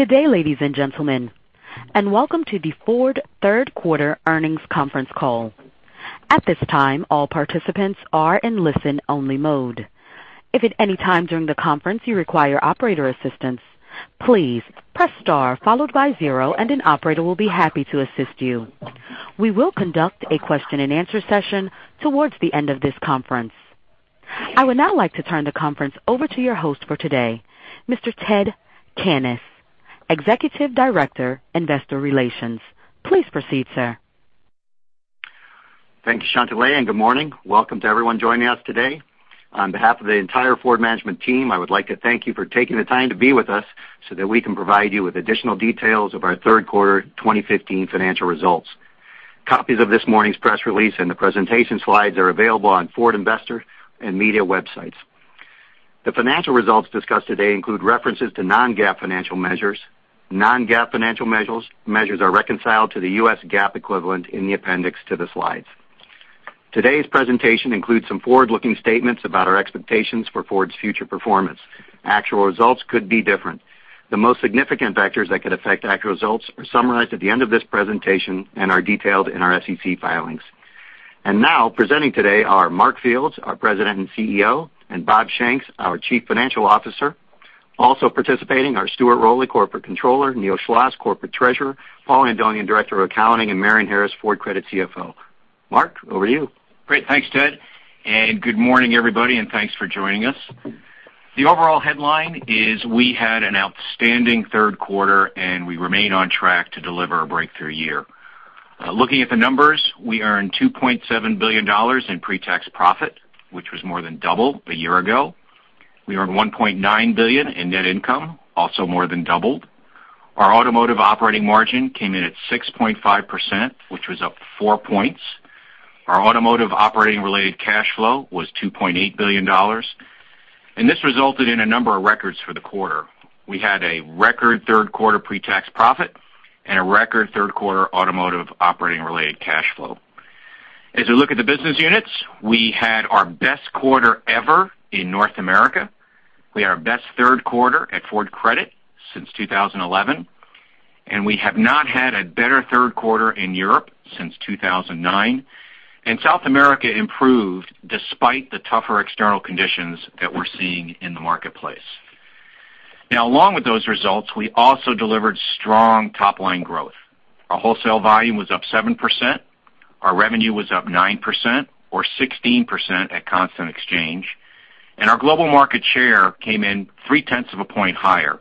Good day, ladies and gentlemen, and welcome to the Ford third quarter earnings conference call. At this time, all participants are in listen-only mode. If at any time during the conference you require operator assistance, please press star followed by zero, and an operator will be happy to assist you. We will conduct a question and answer session towards the end of this conference. I would now like to turn the conference over to your host for today, Mr. Ted Cannis, Executive Director, Investor Relations. Please proceed, sir. Thank you, Chantele, and good morning. Welcome to everyone joining us today. On behalf of the entire Ford management team, I would like to thank you for taking the time to be with us so that we can provide you with additional details of our third quarter 2015 financial results. Copies of this morning's press release and the presentation slides are available on Ford investor and media websites. The financial results discussed today include references to non-GAAP financial measures. Non-GAAP financial measures are reconciled to the U.S. GAAP equivalent in the appendix to the slides. Today's presentation includes some forward-looking statements about our expectations for Ford's future performance. Actual results could be different. The most significant factors that could affect actual results are summarized at the end of this presentation and are detailed in our SEC filings. Now presenting today are Mark Fields, our President and CEO, and Bob Shanks, our Chief Financial Officer. Also participating are Stuart Rowley, Corporate Controller, Neil Schloss, Corporate Treasurer, Paul Andonian, Director of Accounting, and Marion Harris, Ford Credit CFO. Mark, over to you. Great. Thanks, Ted, and good morning, everybody, and thanks for joining us. The overall headline is we had an outstanding third quarter, and we remain on track to deliver a breakthrough year. Looking at the numbers, we earned $2.7 billion in pre-tax profit, which was more than double a year ago. We earned $1.9 billion in net income, also more than doubled. Our automotive operating margin came in at 6.5%, which was up four points. Our automotive operating related cash flow was $2.8 billion, and this resulted in a number of records for the quarter. We had a record third quarter pre-tax profit and a record third quarter automotive operating related cash flow. As we look at the business units, we had our best quarter ever in North America. We had our best third quarter at Ford Credit since 2011, and we have not had a better third quarter in Europe since 2009. South America improved despite the tougher external conditions that we're seeing in the marketplace. Along with those results, we also delivered strong top-line growth. Our wholesale volume was up 7%, our revenue was up 9%, or 16% at constant exchange, and our global market share came in three-tenths of a point higher.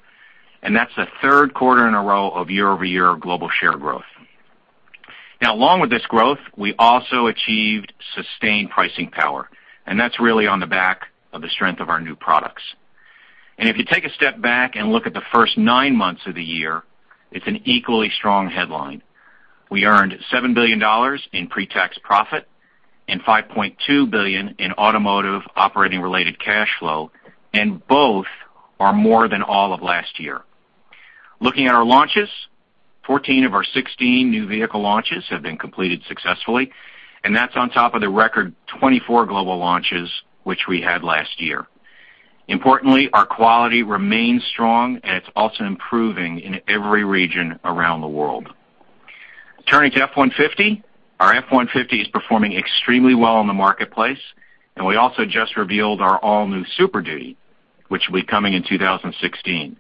That's the third quarter in a row of year-over-year global share growth. Along with this growth, we also achieved sustained pricing power, and that's really on the back of the strength of our new products. If you take a step back and look at the first nine months of the year, it's an equally strong headline. We earned $7 billion in pre-tax profit and $5.2 billion in automotive operating related cash flow, and both are more than all of last year. Looking at our launches, 14 of our 16 new vehicle launches have been completed successfully, and that's on top of the record 24 global launches which we had last year. Importantly, our quality remains strong, and it's also improving in every region around the world. Turning to F-150, our F-150 is performing extremely well in the marketplace, and we also just revealed our all-new Super Duty, which will be coming in 2016.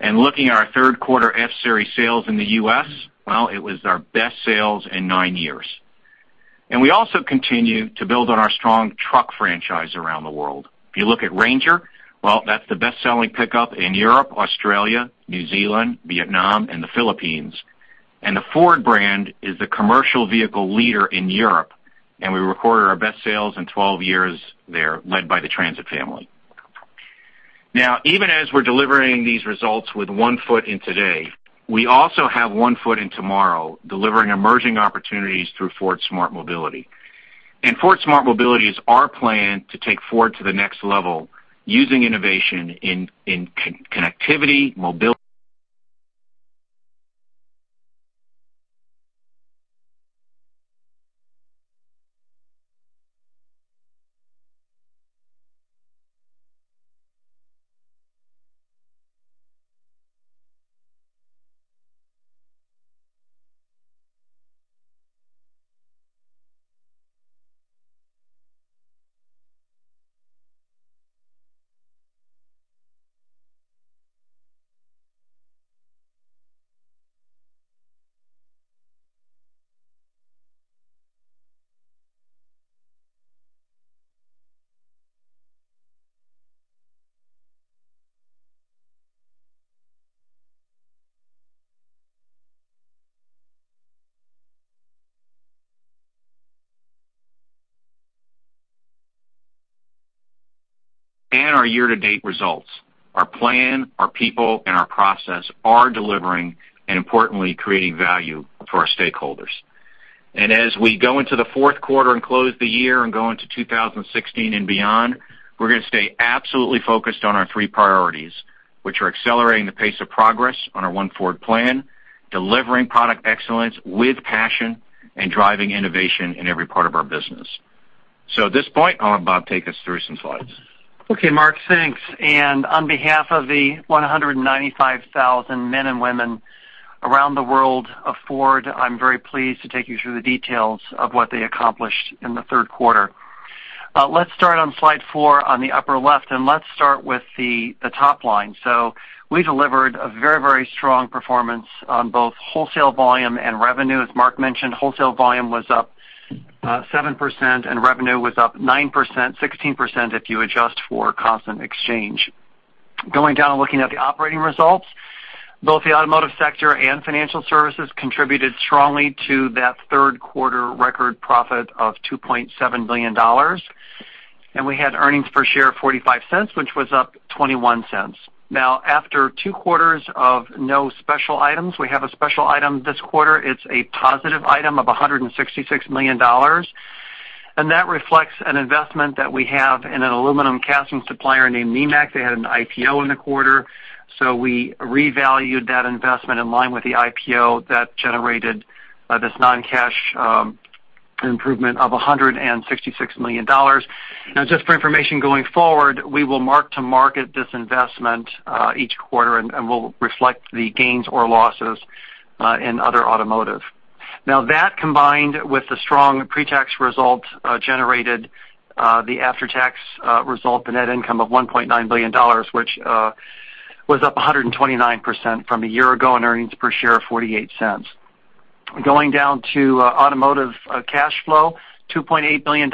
Looking at our third quarter F-Series sales in the U.S., well, it was our best sales in nine years. We also continue to build on our strong truck franchise around the world. If you look at Ranger, well, that's the best-selling pickup in Europe, Australia, New Zealand, Vietnam, and the Philippines. The Ford brand is the commercial vehicle leader in Europe, and we recorded our best sales in 12 years there, led by the Transit family. Even as we're delivering these results with one foot in today, we also have one foot in tomorrow, delivering emerging opportunities through Ford Smart Mobility. Ford Smart Mobility is our plan to take Ford to the next level using innovation in connectivity. Our year-to-date results. Our plan, our people, and our process are delivering and importantly creating value for our stakeholders. As we go into the fourth quarter and close the year and go into 2016 and beyond, we're going to stay absolutely focused on our three priorities, which are accelerating the pace of progress on our One Ford plan, delivering product excellence with passion, and driving innovation in every part of our business. At this point, I'll have Bob take us through some slides. Okay, Mark, thanks. On behalf of the 195,000 men and women around the world of Ford, I am very pleased to take you through the details of what they accomplished in the third quarter. Let's start on slide four on the upper left, let's start with the top line. We delivered a very strong performance on both wholesale volume and revenue. As Mark mentioned, wholesale volume was up 7% and revenue was up 9%, 16% if you adjust for constant exchange. Going down and looking at the operating results, both the automotive sector and financial services contributed strongly to that third quarter record profit of $2.7 billion. We had earnings per share of $0.45, which was up $0.21. Now, after two quarters of no special items, we have a special item this quarter. It is a positive item of $166 million, and that reflects an investment that we have in an aluminum casting supplier named Nemak. They had an IPO in the quarter, we revalued that investment in line with the IPO that generated this non-cash improvement of $166 million. Now, just for information going forward, we will mark to market this investment each quarter, and we will reflect the gains or losses in other automotive. Now, that combined with the strong pre-tax result, generated the after-tax result, the net income of $1.9 billion, which was up 129% from a year ago, and earnings per share of $0.48. Going down to automotive cash flow, $2.8 billion,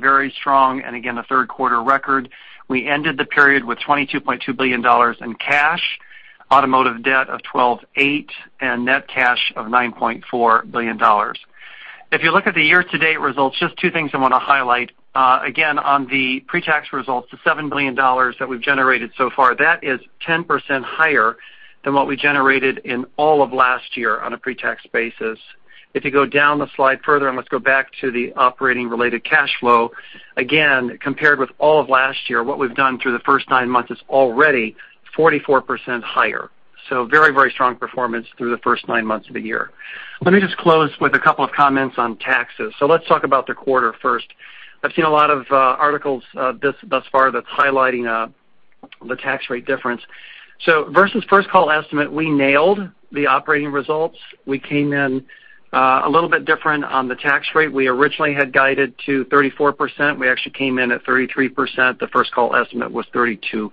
very strong, and again, a third quarter record. We ended the period with $22.2 billion in cash, automotive debt of $12.8 billion, and net cash of $9.4 billion. If you look at the year-to-date results, just two things I want to highlight. Again, on the pre-tax results, the $7 billion that we have generated so far, that is 10% higher than what we generated in all of last year on a pre-tax basis. If you go down the slide further, let's go back to the operating related cash flow, again, compared with all of last year, what we have done through the first nine months is already 44% higher. Very strong performance through the first nine months of the year. Let me just close with a couple of comments on taxes. Let's talk about the quarter first. I have seen a lot of articles thus far that is highlighting the tax rate difference. Versus fFirst Call estimate, we nailed the operating results. We came in a little bit different on the tax rate. We originally had guided to 34%. We actually came in at 33%. The First Call estimate was 32%.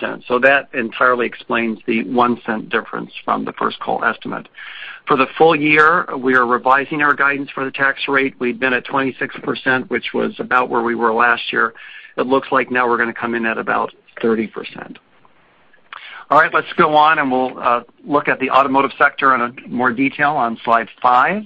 That entirely explains the $0.01 difference from the First Call estimate. For the full year, we are revising our guidance for the tax rate. We had been at 26%, which was about where we were last year. It looks like now we are going to come in at about 30%. All right, let's go on, and we will look at the automotive sector in more detail on slide five.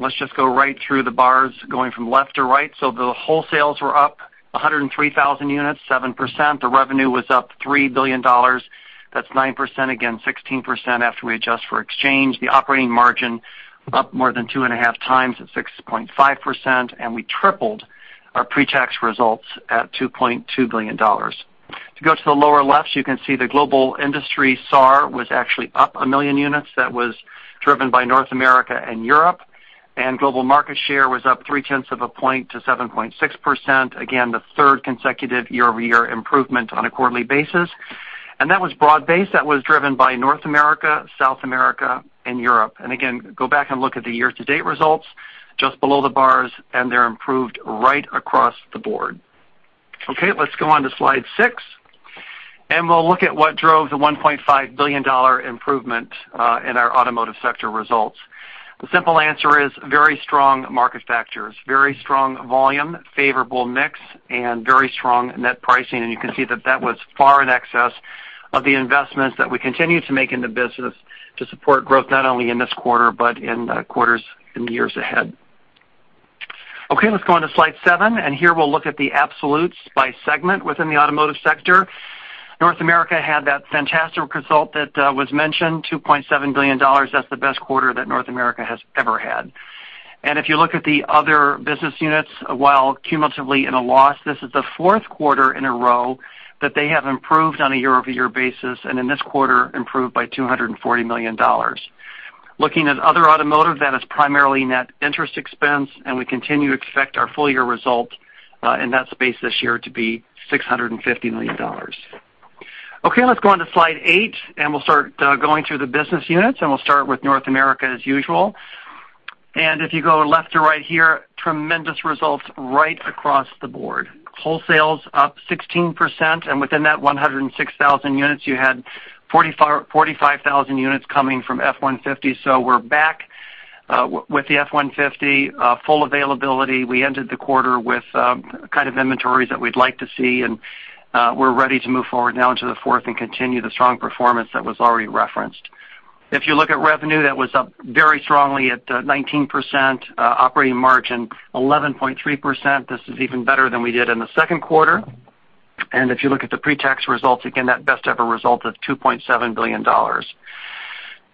Let's just go right through the bars, going from left to right. The wholesales were up 103,000 units, 7%. The revenue was up $3 billion. That is 9%, again, 16% after we adjust for exchange. The operating margin up more than two and a half times at 6.5%, and we tripled our pre-tax results at $2.2 billion. If you go to the lower left, you can see the global industry SAAR was actually up a million units. That was driven by North America and Europe. Global market share was up three-tenths of a point to 7.6%. Again, the third consecutive year-over-year improvement on a quarterly basis. That was broad-based. That was driven by North America, South America, and Europe. Again, go back and look at the year-to-date results just below the bars, and they're improved right across the board. Okay, let's go on to slide six, and we'll look at what drove the $1.5 billion improvement in our automotive sector results. The simple answer is very strong market factors, very strong volume, favorable mix, and very strong net pricing. You can see that that was far in excess of the investments that we continue to make in the business to support growth, not only in this quarter, but in the quarters in the years ahead. Okay, let's go on to slide seven, and here we'll look at the absolutes by segment within the automotive sector. North America had that fantastic result that was mentioned, $2.7 billion. That's the best quarter that North America has ever had. If you look at the other business units, while cumulatively in a loss, this is the fourth quarter in a row that they have improved on a year-over-year basis, and in this quarter, improved by $240 million. Looking at other automotive, that is primarily net interest expense, and we continue to expect our full-year result in that space this year to be $650 million. Okay, let's go on to slide eight, and we'll start going through the business units, and we'll start with North America as usual. If you go left to right here, tremendous results right across the board. Wholesales up 16%, and within that 106,000 units, you had 45,000 units coming from F-150. So we're back with the F-150 full availability. We ended the quarter with kind of inventories that we'd like to see, and we're ready to move forward now into the fourth and continue the strong performance that was already referenced. If you look at revenue, that was up very strongly at 19%, operating margin 11.3%. This is even better than we did in the second quarter. If you look at the pre-tax results, again, that best ever result of $2.7 billion.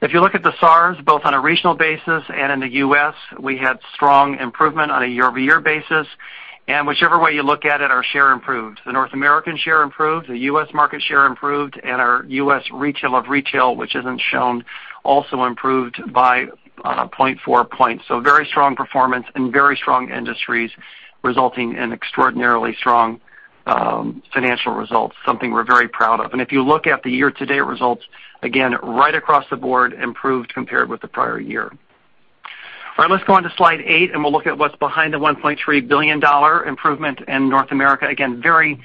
If you look at the SARs, both on a regional basis and in the U.S., we had strong improvement on a year-over-year basis. Whichever way you look at it, our share improved. The North American share improved, the U.S. market share improved, and our U.S. retail of retail, which isn't shown, also improved by 0.4 points. So very strong performance in very strong industries, resulting in extraordinarily strong financial results, something we're very proud of. If you look at the year-to-date results, again, right across the board improved compared with the prior year. All right, let's go on to slide eight, and we'll look at what's behind the $1.3 billion improvement in North America. Again, very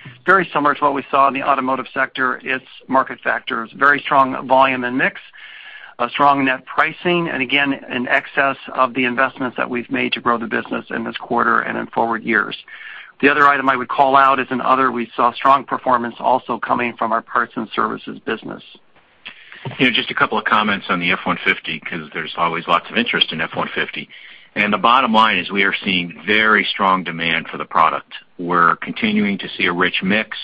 similar to what we saw in the automotive sector, its market factors. Very strong volume and mix, a strong net pricing, again, in excess of the investments that we've made to grow the business in this quarter and in forward years. The other item I would call out is in other, we saw strong performance also coming from our parts and services business. Just a couple of comments on the F-150 because there's always lots of interest in F-150. The bottom line is we are seeing very strong demand for the product. We're continuing to see a rich mix.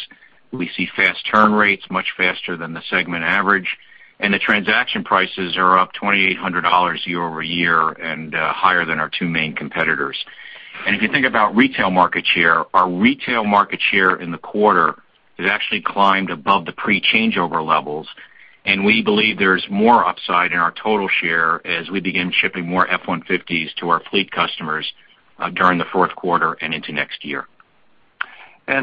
We see fast turn rates, much faster than the segment average. The transaction prices are up $2,800 year-over-year and higher than our two main competitors. If you think about retail market share, our retail market share in the quarter has actually climbed above the pre-changeover levels, and we believe there's more upside in our total share as we begin shipping more F-150s to our fleet customers during the fourth quarter and into next year.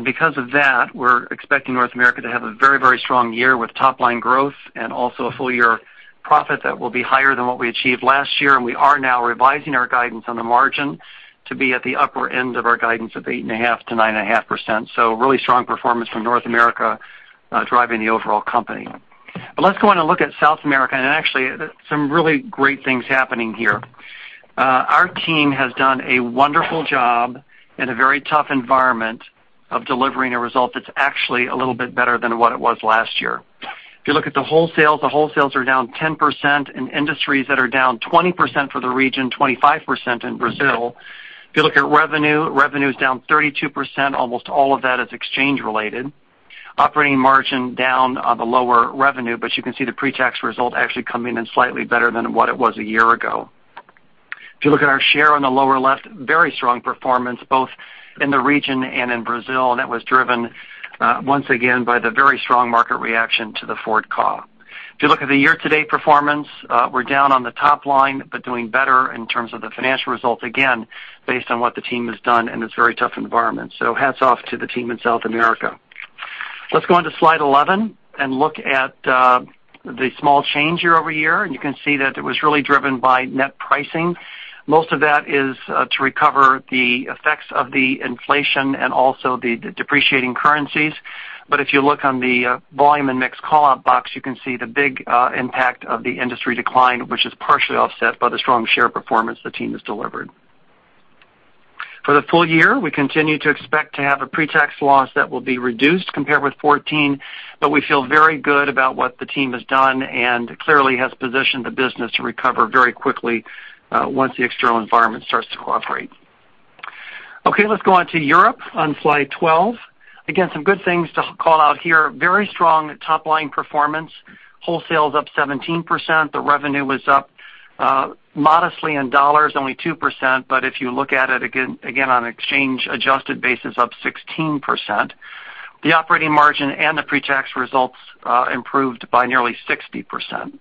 Because of that, we're expecting North America to have a very strong year with top line growth and also a full-year profit that will be higher than what we achieved last year. We are now revising our guidance on the margin to be at the upper end of our guidance of 8.5%-9.5%. Really strong performance from North America driving the overall company. Let's go in and look at South America and actually some really great things happening here. Our team has done a wonderful job in a very tough environment of delivering a result that's actually a little bit better than what it was last year. If you look at the wholesales, the wholesales are down 10% in industries that are down 20% for the region, 25% in Brazil. If you look at revenue is down 32%, almost all of that is exchange related. Operating margin down on the lower revenue, but you can see the pre-tax result actually coming in slightly better than what it was a year ago. If you look at our share on the lower left, very strong performance both in the region and in Brazil, and that was driven, once again, by the very strong market reaction to the Ford Ka. If you look at the year-to-date performance, we're down on the top line, but doing better in terms of the financial results, again, based on what the team has done in this very tough environment. Hats off to the team in South America. Let's go on to slide 11 and look at the small change year-over-year, you can see that it was really driven by net pricing. Most of that is to recover the effects of the inflation and also the depreciating currencies. If you look on the volume and mix call-out box, you can see the big impact of the industry decline, which is partially offset by the strong share performance the team has delivered. For the full year, we continue to expect to have a pre-tax loss that will be reduced compared with 2014, but we feel very good about what the team has done and clearly has positioned the business to recover very quickly once the external environment starts to cooperate. Okay, let's go on to Europe on slide 12. Again, some good things to call out here. Very strong top-line performance. Wholesales up 17%. The revenue was up modestly in $, only 2%, but if you look at it again on an exchange-adjusted basis, up 16%. The operating margin and the pre-tax results improved by nearly 60%.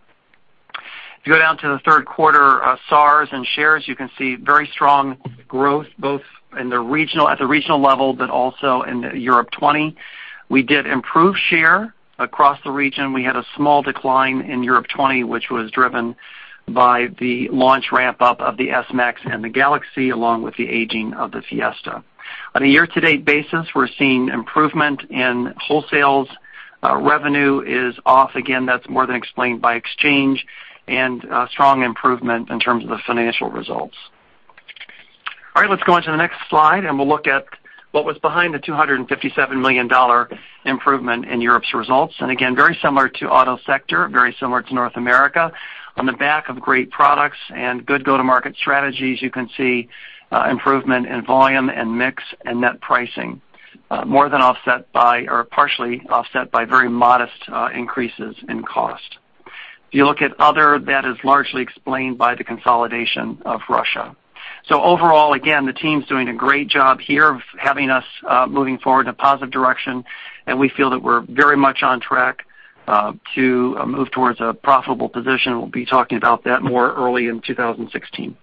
If you go down to the third quarter SARs and shares, you can see very strong growth, both at the regional level, but also in the Europe 20. We did improve share across the region. We had a small decline in Europe 20, which was driven by the launch ramp-up of the S-Max and the Galaxy, along with the aging of the Fiesta. On a year-to-date basis, we're seeing improvement in wholesales. Revenue is off again. That's more than explained by exchange and strong improvement in terms of the financial results. All right, let's go on to the next slide and we'll look at what was behind the $257 million improvement in Europe's results. Again, very similar to auto sector, very similar to North America. On the back of great products and good go-to-market strategies, you can see improvement in volume and mix and net pricing, more than offset by or partially offset by very modest increases in cost. If you look at other, that is largely explained by the consolidation of Russia. Overall, again, the team's doing a great job here of having us moving forward in a positive direction, and we feel that we're very much on track to move towards a profitable position. We'll be talking about that more early in 2016.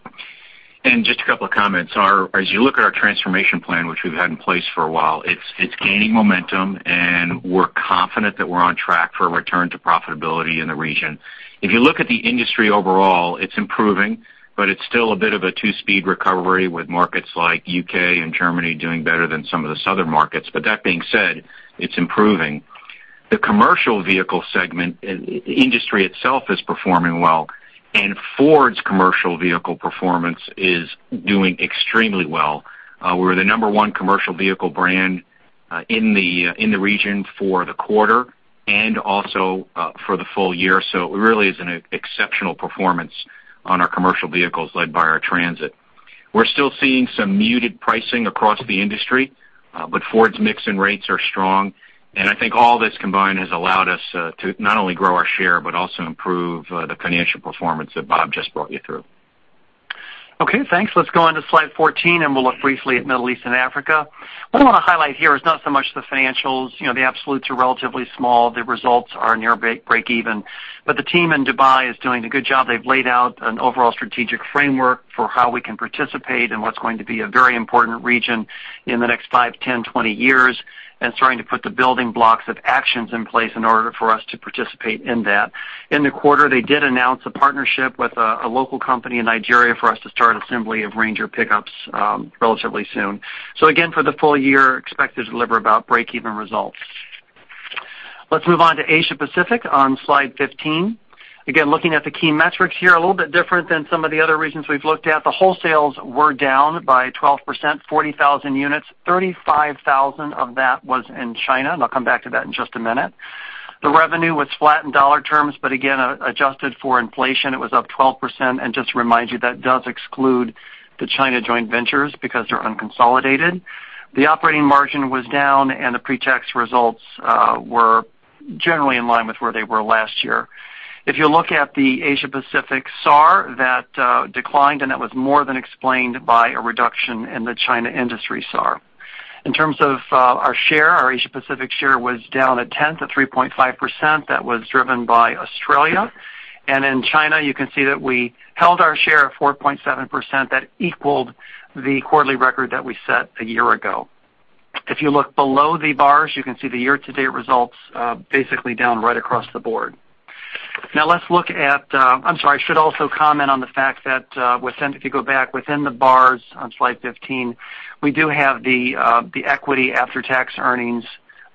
Just a couple of comments. As you look at our transformation plan, which we've had in place for a while, it's gaining momentum and we're confident that we're on track for a return to profitability in the region. If you look at the industry overall, it's improving, but it's still a bit of a two-speed recovery with markets like U.K. and Germany doing better than some of the southern markets. That being said, it's improving. The commercial vehicle segment industry itself is performing well, and Ford's commercial vehicle performance is doing extremely well. We're the number 1 commercial vehicle brand in the region for the quarter and also for the full year. It really is an exceptional performance on our commercial vehicles led by our Transit. We're still seeing some muted pricing across the industry, but Ford's mix and rates are strong. I think all this combined has allowed us to not only grow our share, but also improve the financial performance that Bob just brought you through. Okay, thanks. Let's go on to slide 14, and we'll look briefly at Middle East and Africa. What I want to highlight here is not so much the financials. The absolutes are relatively small. The results are near breakeven. The team in Dubai is doing a good job. They've laid out an overall strategic framework for how we can participate in what's going to be a very important region in the next five, 10, 20 years and starting to put the building blocks of actions in place in order for us to participate in that. In the quarter, they did announce a partnership with a local company in Nigeria for us to start assembly of Ranger pickups relatively soon. Again, for the full year, expect to deliver about breakeven results. Let's move on to Asia Pacific on slide 15. Again, looking at the key metrics here, a little bit different than some of the other regions we've looked at. The wholesales were down by 12%, 40,000 units. 35,000 of that was in China, and I'll come back to that in just a minute. The revenue was flat in dollar terms, but again, adjusted for inflation, it was up 12%. Just to remind you, that does exclude the China joint ventures because they're unconsolidated. The operating margin was down, and the pre-tax results were generally in line with where they were last year. If you look at the Asia Pacific SAAR, that declined, and that was more than explained by a reduction in the China industry SAAR. In terms of our share, our Asia Pacific share was down a tenth of 3.5%. That was driven by Australia. In China, you can see that we held our share of 4.7%. That equaled the quarterly record that we set a year ago. If you look below the bars, you can see the year-to-date results basically down right across the board. I should also comment on the fact that if you go back within the bars on slide 15, we do have the equity after-tax earnings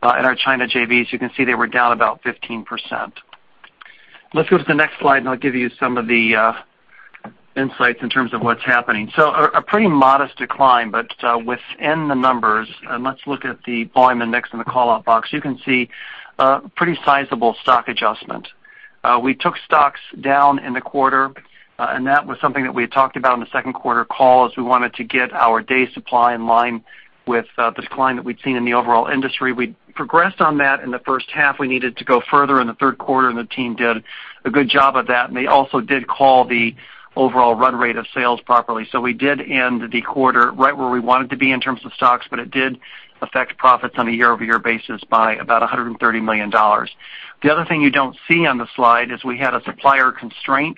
in our China JVs. You can see they were down about 15%. Let's go to the next slide, and I'll give you some of the insights in terms of what's happening. A pretty modest decline, but within the numbers, and let's look at the volume and mix in the call-out box. You can see a pretty sizable stock adjustment. We took stocks down in the quarter, that was something that we had talked about on the second quarter call, as we wanted to get our day supply in line with the decline that we'd seen in the overall industry. We progressed on that in the first half. We needed to go further in the third quarter, the team did a good job of that, they also did call the overall run rate of sales properly. We did end the quarter right where we wanted to be in terms of stocks, it did affect profits on a year-over-year basis by about $130 million. The other thing you don't see on the slide is we had a supplier constraint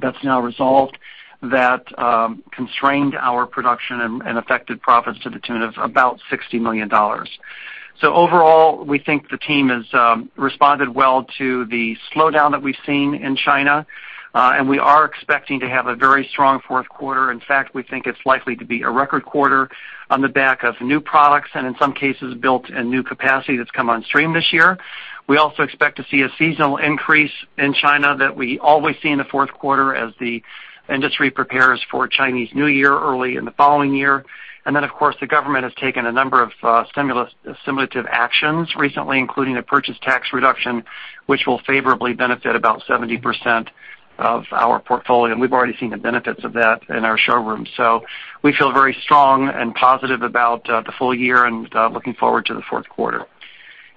that's now resolved that constrained our production and affected profits to the tune of about $60 million. Overall, we think the team has responded well to the slowdown that we've seen in China, we are expecting to have a very strong fourth quarter. In fact, we think it's likely to be a record quarter on the back of new products and in some cases, built in new capacity that's come on stream this year. We also expect to see a seasonal increase in China that we always see in the fourth quarter as the industry prepares for Chinese New Year early in the following year. Of course, the government has taken a number of stimulative actions recently, including a purchase tax reduction, which will favorably benefit about 70% of our portfolio. We've already seen the benefits of that in our showrooms. We feel very strong and positive about the full year and looking forward to the fourth quarter.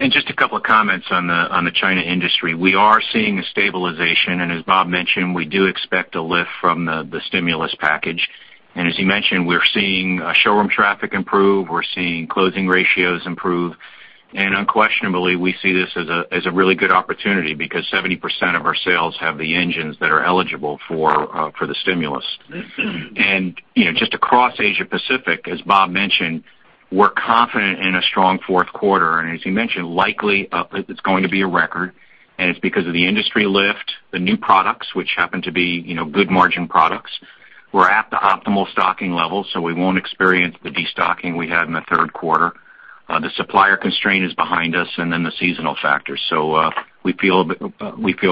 Just a couple of comments on the China industry. We are seeing a stabilization, as Bob mentioned, we do expect a lift from the stimulus package. As he mentioned, we're seeing showroom traffic improve. We're seeing closing ratios improve. Unquestionably, we see this as a really good opportunity because 70% of our sales have the engines that are eligible for the stimulus. Just across Asia Pacific, as Bob mentioned, we're confident in a strong fourth quarter. As he mentioned, likely it's going to be a record, it's because of the industry lift, the new products, which happen to be good margin products. We're at the optimal stocking level, we won't experience the destocking we had in the third quarter. The supplier constraint is behind us, the seasonal factors. We feel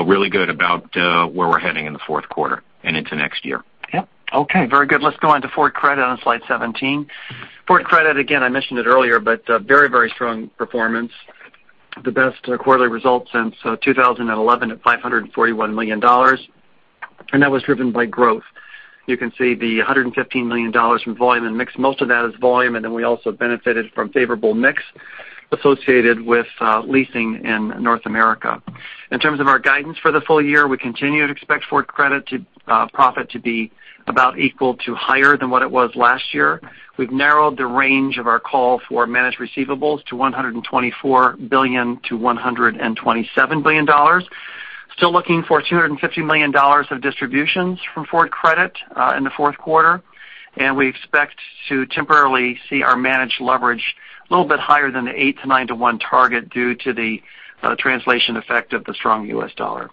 really good about where we're heading in the fourth quarter and into next year. Yep. Okay, very good. Let's go on to Ford Credit on slide 17. Ford Credit, again, I mentioned it earlier, but very strong performance. The best quarterly result since 2011 at $541 million, and that was driven by growth. You can see the $115 million from volume and mix. Most of that is volume, and then we also benefited from favorable mix associated with leasing in North America. In terms of our guidance for the full year, we continue to expect Ford Credit profit to be about equal to higher than what it was last year. We've narrowed the range of our call for managed receivables to $124 billion-$127 billion. Still looking for $250 million of distributions from Ford Credit in the fourth quarter. We expect to temporarily see our managed leverage a little bit higher than the 8 to 9 to 1 target due to the translation effect of the strong U.S. dollar.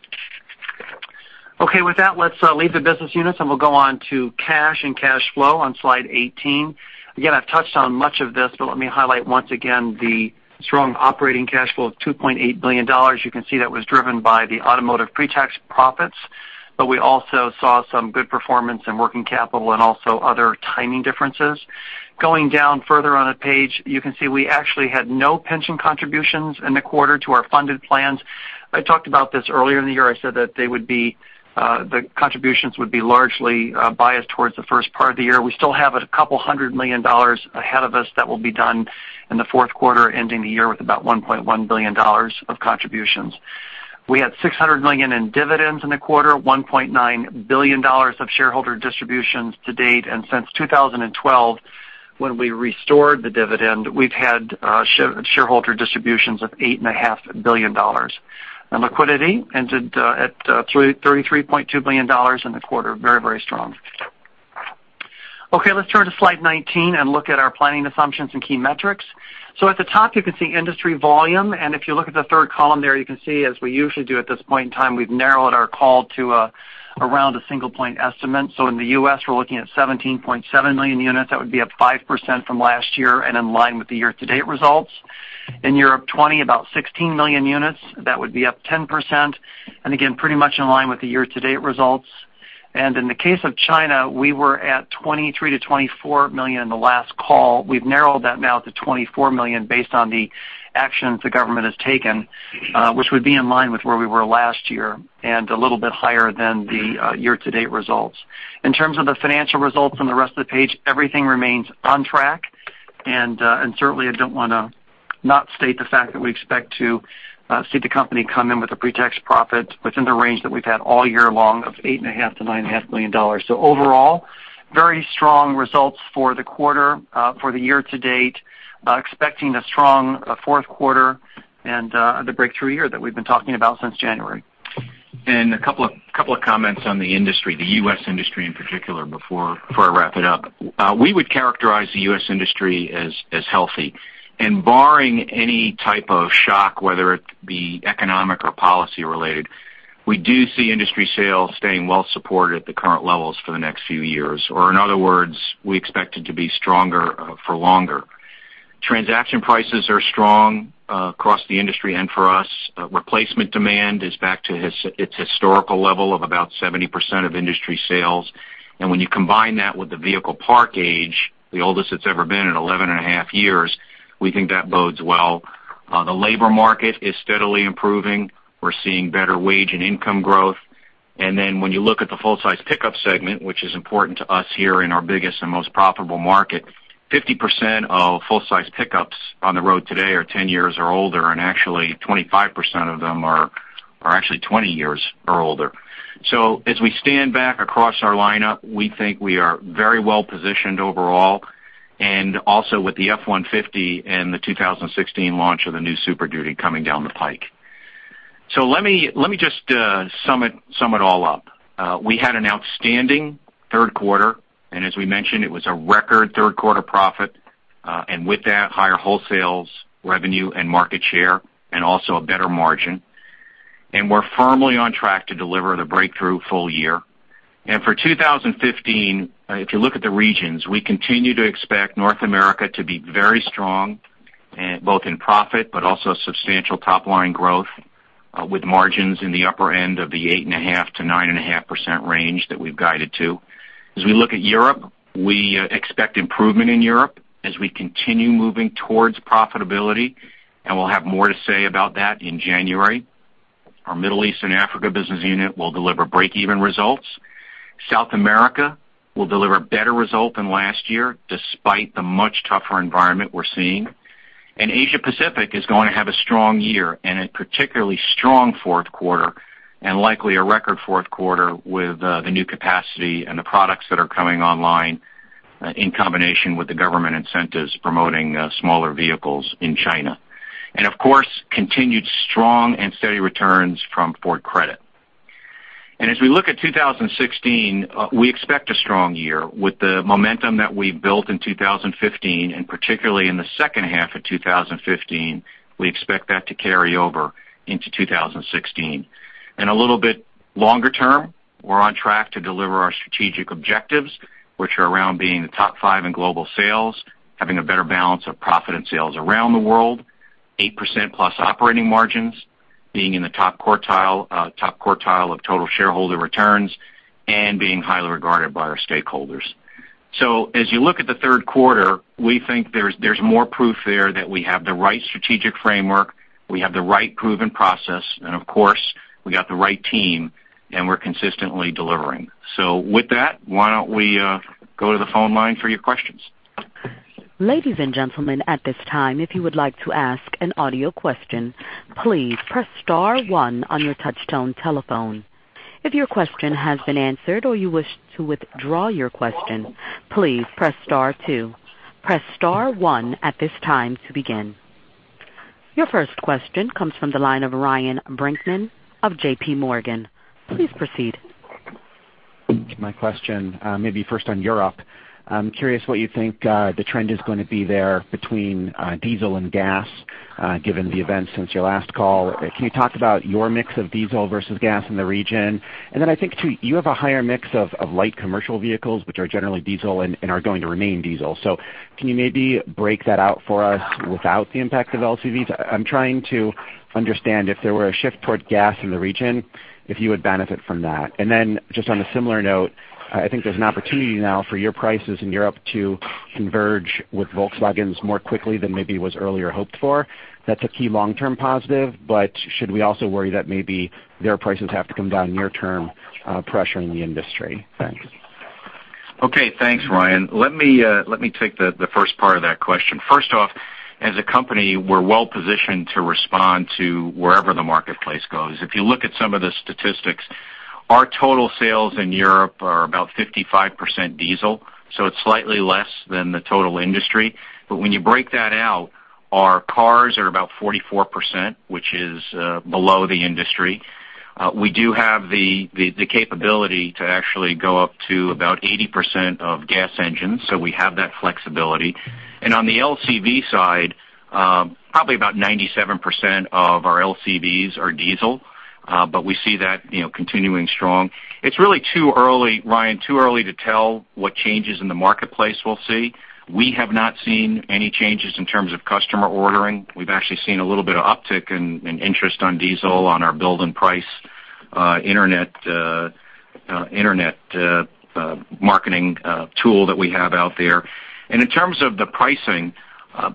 Okay. With that, let's leave the business units and we'll go on to cash and cash flow on slide 18. Again, I've touched on much of this, but let me highlight once again the strong operating cash flow of $2.8 billion. You can see that was driven by the automotive pretax profits, but we also saw some good performance in working capital and also other timing differences. Going down further on the page, you can see we actually had no pension contributions in the quarter to our funded plans. I talked about this earlier in the year. I said that the contributions would be largely biased towards the first part of the year. We still have a couple hundred million dollars ahead of us that will be done in the fourth quarter, ending the year with about $1.1 billion of contributions. We had $600 million in dividends in the quarter, $1.9 billion of shareholder distributions to date. Since 2012, when we restored the dividend, we've had shareholder distributions of $8.5 billion. Liquidity ended at $33.2 billion in the quarter. Very, very strong. Okay, let's turn to slide 19 and look at our planning assumptions and key metrics. At the top, you can see industry volume, and if you look at the third column there, you can see, as we usually do at this point in time, we've narrowed our call to around a single point estimate. In the U.S., we're looking at 17.7 million units. That would be up 5% from last year and in line with the year-to-date results. In Europe, about 16 million units. That would be up 10%, and again, pretty much in line with the year-to-date results. In the case of China, we were at 23 million-24 million in the last call. We've narrowed that now to 24 million based on the actions the government has taken, which would be in line with where we were last year, and a little bit higher than the year-to-date results. In terms of the financial results on the rest of the page, everything remains on track. Certainly, I don't want to not state the fact that we expect to see the company come in with a pretax profit within the range that we've had all year long of $8.5 million-$9.5 million. Overall, very strong results for the quarter, for the year-to-date, expecting a strong fourth quarter and the breakthrough year that we've been talking about since January. A couple of comments on the industry, the U.S. industry in particular, before I wrap it up. We would characterize the U.S. industry as healthy. Barring any type of shock, whether it be economic or policy-related, we do see industry sales staying well supported at the current levels for the next few years. In other words, we expect it to be stronger for longer. Transaction prices are strong across the industry and for us. Replacement demand is back to its historical level of about 70% of industry sales. When you combine that with the vehicle park age, the oldest it's ever been at 11 and a half years, we think that bodes well. The labor market is steadily improving. We're seeing better wage and income growth. When you look at the full-size pickup segment, which is important to us here in our biggest and most profitable market, 50% of full-size pickups on the road today are 10 years or older, and actually, 25% of them are actually 20 years or older. As we stand back across our lineup, we think we are very well-positioned overall, and also with the F-150 and the 2016 launch of the new Super Duty coming down the pike. Let me just sum it all up. We had an outstanding third quarter, as we mentioned, it was a record third quarter profit. With that, higher wholesales revenue and market share and also a better margin. We're firmly on track to deliver the breakthrough full year. For 2015, if you look at the regions, we continue to expect North America to be very strong, both in profit, but also substantial top-line growth with margins in the upper end of the 8.5%-9.5% range that we've guided to. As we look at Europe, we expect improvement in Europe as we continue moving towards profitability, and we'll have more to say about that in January. Our Middle East and Africa business unit will deliver break-even results. South America will deliver better results than last year, despite the much tougher environment we're seeing. Asia Pacific is going to have a strong year and a particularly strong fourth quarter, and likely a record fourth quarter with the new capacity and the products that are coming online in combination with the government incentives promoting smaller vehicles in China. Of course, continued strong and steady returns from Ford Credit. As we look at 2016, we expect a strong year with the momentum that we built in 2015, particularly in the second half of 2015. We expect that to carry over into 2016. A little bit longer term, we're on track to deliver our strategic objectives, which are around being the top five in global sales, having a better balance of profit and sales around the world, 8%+ operating margins, being in the top quartile of total shareholder returns, and being highly regarded by our stakeholders. As you look at the third quarter, we think there's more proof there that we have the right strategic framework, we have the right proven process, and of course, we got the right team, and we're consistently delivering. With that, why don't we go to the phone line for your questions? Ladies and gentlemen, at this time, if you would like to ask an audio question, please press star one on your touchtone telephone. If your question has been answered or you wish to withdraw your question, please press star two. Press star one at this time to begin. Your first question comes from the line of Ryan Brinkman of J.P. Morgan. Please proceed. My question, maybe first on Europe. I'm curious what you think the trend is going to be there between diesel and gas, given the events since your last call. Can you talk about your mix of diesel versus gas in the region? I think, too, you have a higher mix of light commercial vehicles, which are generally diesel and are going to remain diesel. Can you maybe break that out for us without the impact of LCVs? I'm trying to understand if there were a shift toward gas in the region, if you would benefit from that. Just on a similar note, I think there's an opportunity now for your prices in Europe to converge with Volkswagen's more quickly than maybe was earlier hoped for. That's a key long-term positive, but should we also worry that maybe their prices have to come down near term, pressuring the industry? Thanks. Okay, thanks, Ryan. Let me take the first part of that question. First off, as a company, we're well-positioned to respond to wherever the marketplace goes. If you look at some of the statistics, our total sales in Europe are about 55% diesel, so it's slightly less than the total industry. When you break that out, our cars are about 44%, which is below the industry. We do have the capability to actually go up to about 80% of gas engines, so we have that flexibility. On the LCV side, probably about 97% of our LCVs are diesel. We see that continuing strong. It's really too early, Ryan, too early to tell what changes in the marketplace we'll see. We have not seen any changes in terms of customer ordering. We've actually seen a little bit of uptick in interest on diesel on our build and price internet marketing tool that we have out there. In terms of the pricing,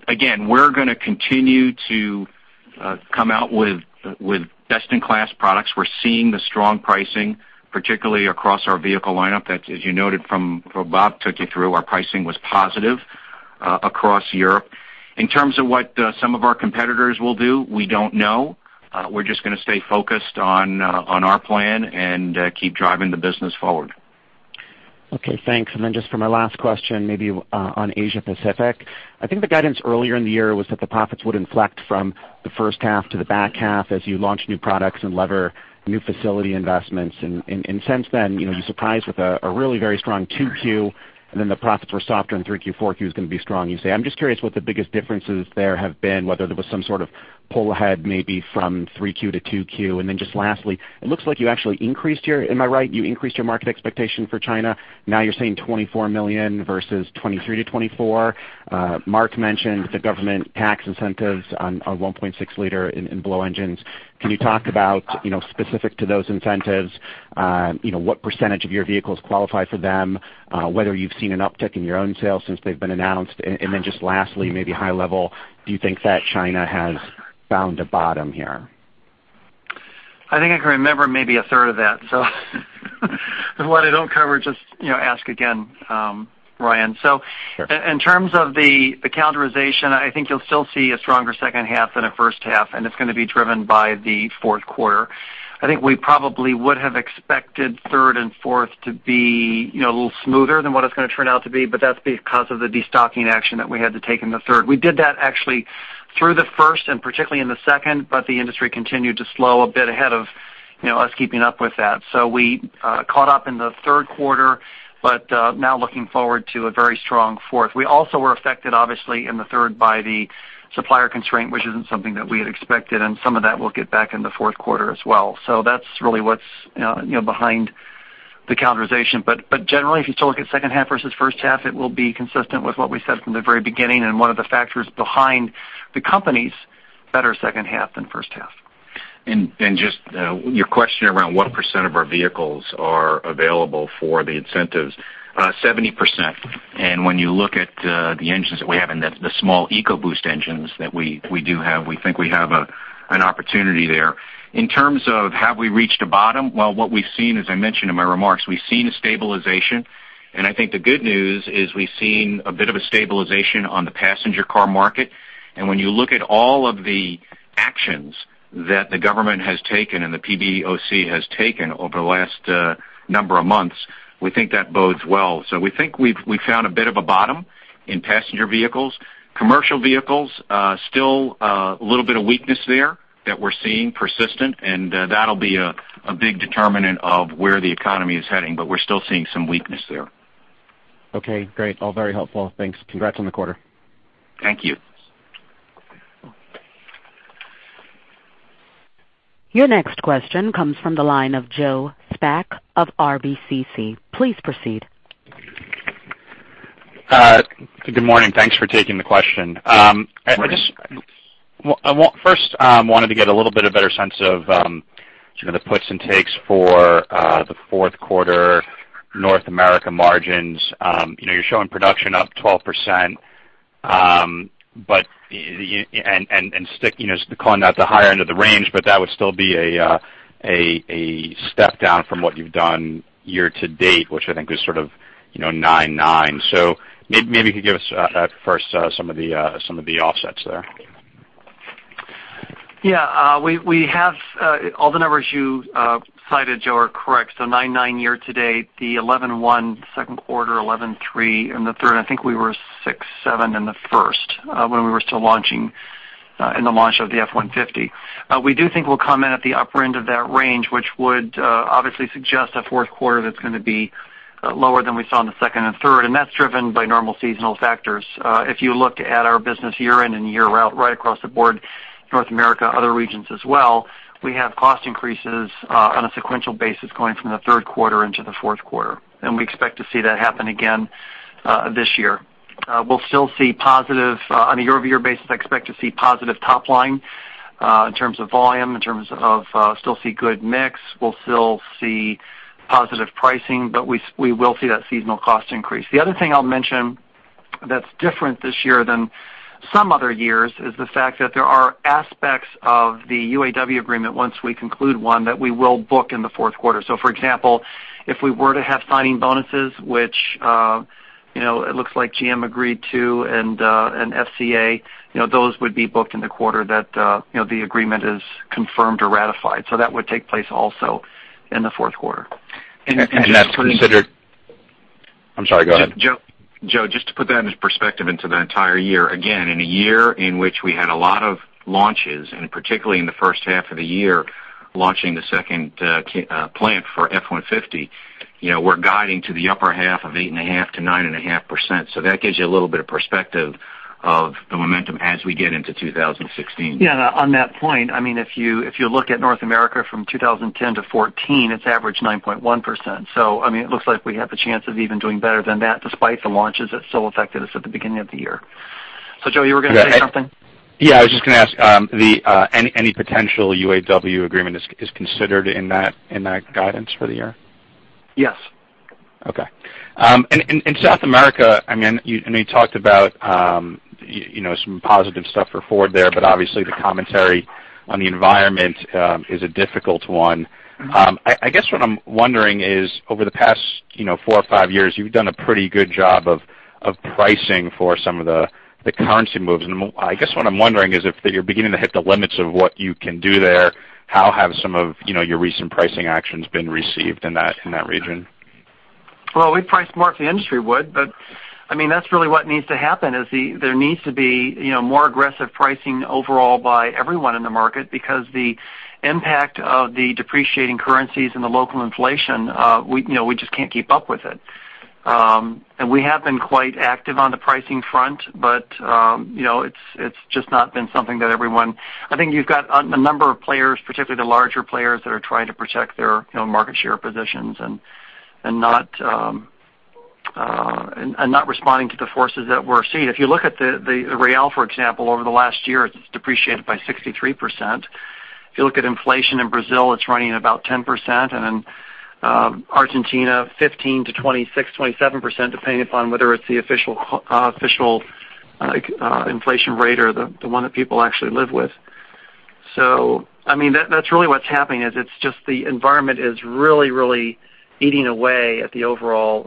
again, we're going to continue to come out with best-in-class products. We're seeing the strong pricing, particularly across our vehicle lineup. That, as you noted from what Bob took you through, our pricing was positive across Europe. In terms of what some of our competitors will do, we don't know. We're just going to stay focused on our plan and keep driving the business forward. Okay, thanks. Then just for my last question, maybe on Asia Pacific. I think the guidance earlier in the year was that the profits would inflect from the first half to the back half as you launched new products and lever new facility investments. Since then, you surprised with a really very strong 2Q, then the profits were softer in Q3. Q4 is going to be strong, you say. I'm just curious what the biggest differences there have been, whether there was some sort of pull ahead, maybe from Q3 to Q2. Then just lastly, it looks like you actually increased your market expectation for China. Now you're saying 24 million versus 23 million-24 million. Mark mentioned the government tax incentives on 1.6-liter in blow engines. Can you talk about, specific to those incentives, what percentage of your vehicles qualify for them, whether you've seen an uptick in your own sales since they've been announced, and then just lastly, maybe high level, do you think that China has found a bottom here? I think I can remember maybe a third of that. What I don't cover, just ask again, Ryan. Sure. In terms of the calendarization, I think you'll still see a stronger second half than a first half, and it's going to be driven by the fourth quarter. I think we probably would have expected third and fourth to be a little smoother than what it's going to turn out to be, but that's because of the de-stocking action that we had to take in the third. We did that actually through the first and particularly in the second, but the industry continued to slow a bit ahead of us keeping up with that. We caught up in the third quarter, but now looking forward to a very strong fourth. We also were affected, obviously, in the third by the supplier constraint, which isn't something that we had expected, and some of that we'll get back in the fourth quarter as well. That's really what's behind the calendarization. Generally, if you still look at second half versus first half, it will be consistent with what we said from the very beginning and one of the factors behind the company's better second half than first half. Just your question around what percent of our vehicles are available for the incentives. 70%. When you look at the engines that we have and the small EcoBoost engines that we do have, we think we have an opportunity there. In terms of have we reached a bottom? Well, what we've seen, as I mentioned in my remarks, we've seen a stabilization. I think the good news is we've seen a bit of a stabilization on the passenger car market. When you look at all of the actions that the government has taken and the PBOC has taken over the last number of months, we think that bodes well. We think we've found a bit of a bottom in passenger vehicles. Commercial vehicles, still a little bit of weakness there that we're seeing persistent, and that'll be a big determinant of where the economy is heading. We're still seeing some weakness there. Okay, great. All very helpful. Thanks. Congrats on the quarter. Thank you. Your next question comes from the line of Joe Spak of RBC. Please proceed. Good morning. Thanks for taking the question. Morning. I first wanted to get a little bit of better sense of the puts and takes for the fourth quarter North America margins. You're showing production up 12%, and calling that the higher end of the range, but that would still be a step down from what you've done year to date, which I think was sort of 9.9%. Maybe you could give us first some of the offsets there. All the numbers you cited, Joe, are correct. 9.9% year to date, the 11.1% second quarter, 11.3% in the third, I think we were 6.7% in the first when we were still launching in the launch of the F-150. We do think we'll come in at the upper end of that range, which would obviously suggest a fourth quarter that's going to be lower than we saw in the second and third, and that's driven by normal seasonal factors. If you looked at our business year in and year out, right across the board, North America, other regions as well, we have cost increases on a sequential basis going from the third quarter into the fourth quarter, and we expect to see that happen again this year. We'll still see positive on a year-over-year basis, I expect to see positive top line in terms of volume, in terms of still see good mix. We'll still see positive pricing, but we will see that seasonal cost increase. The other thing I'll mention that's different this year than some other years is the fact that there are aspects of the UAW agreement, once we conclude one, that we will book in the fourth quarter. For example, if we were to have signing bonuses, which it looks like GM agreed to and FCA, those would be booked in the quarter that the agreement is confirmed or ratified. That would take place also in the fourth quarter. just to- That's considered I'm sorry, go ahead. Joe, just to put that into perspective into the entire year, again, in a year in which we had a lot of launches, and particularly in the first half of the year, launching the second plant for F-150, we're guiding to the upper half of 8.5%-9.5%. That gives you a little bit of perspective of the momentum as we get into 2016. Yeah, on that point, if you look at North America from 2010 to 2014, it's averaged 9.1%. It looks like we have the chance of even doing better than that despite the launches that so affected us at the beginning of the year. Joe, you were going to say something? Yeah, I was just going to ask, any potential UAW agreement is considered in that guidance for the year? Yes. Okay. In South America, you talked about some positive stuff for Ford there, but obviously the commentary on the environment is a difficult one. I guess what I'm wondering is over the past four or five years, you've done a pretty good job of pricing for some of the currency moves. I guess what I'm wondering is if that you're beginning to hit the limits of what you can do there, how have some of your recent pricing actions been received in that region? Well, we priced more than the industry would, but that's really what needs to happen, is there needs to be more aggressive pricing overall by everyone in the market because the impact of the depreciating currencies and the local inflation, we just can't keep up with it. We have been quite active on the pricing front, but it's just not been something that everyone. I think you've got a number of players, particularly the larger players, that are trying to protect their market share positions and not responding to the forces that we're seeing. If you look at the Real, for example, over the last year, it's depreciated by 63%. If you look at inflation in Brazil, it's running about 10%, and in Argentina, 15% to 26%, 27%, depending upon whether it's the official inflation rate or the one that people actually live with. That's really what's happening, is it's just the environment is really eating away at the overall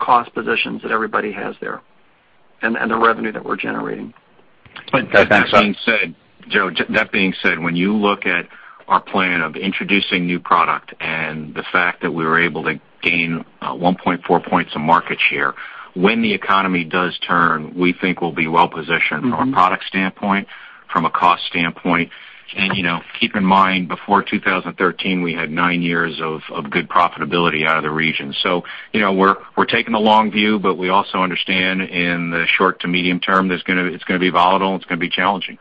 cost positions that everybody has there and the revenue that we're generating. Okay, thanks. That being said, Joe, that being said, when you look at our plan of introducing new product and the fact that we were able to gain 1.4 points of market share, when the economy does turn, we think we'll be well-positioned from a product standpoint, from a cost standpoint. Keep in mind, before 2013, we had nine years of good profitability out of the region. We're taking the long view, but we also understand in the short to medium term, it's going to be volatile, and it's going to be challenging.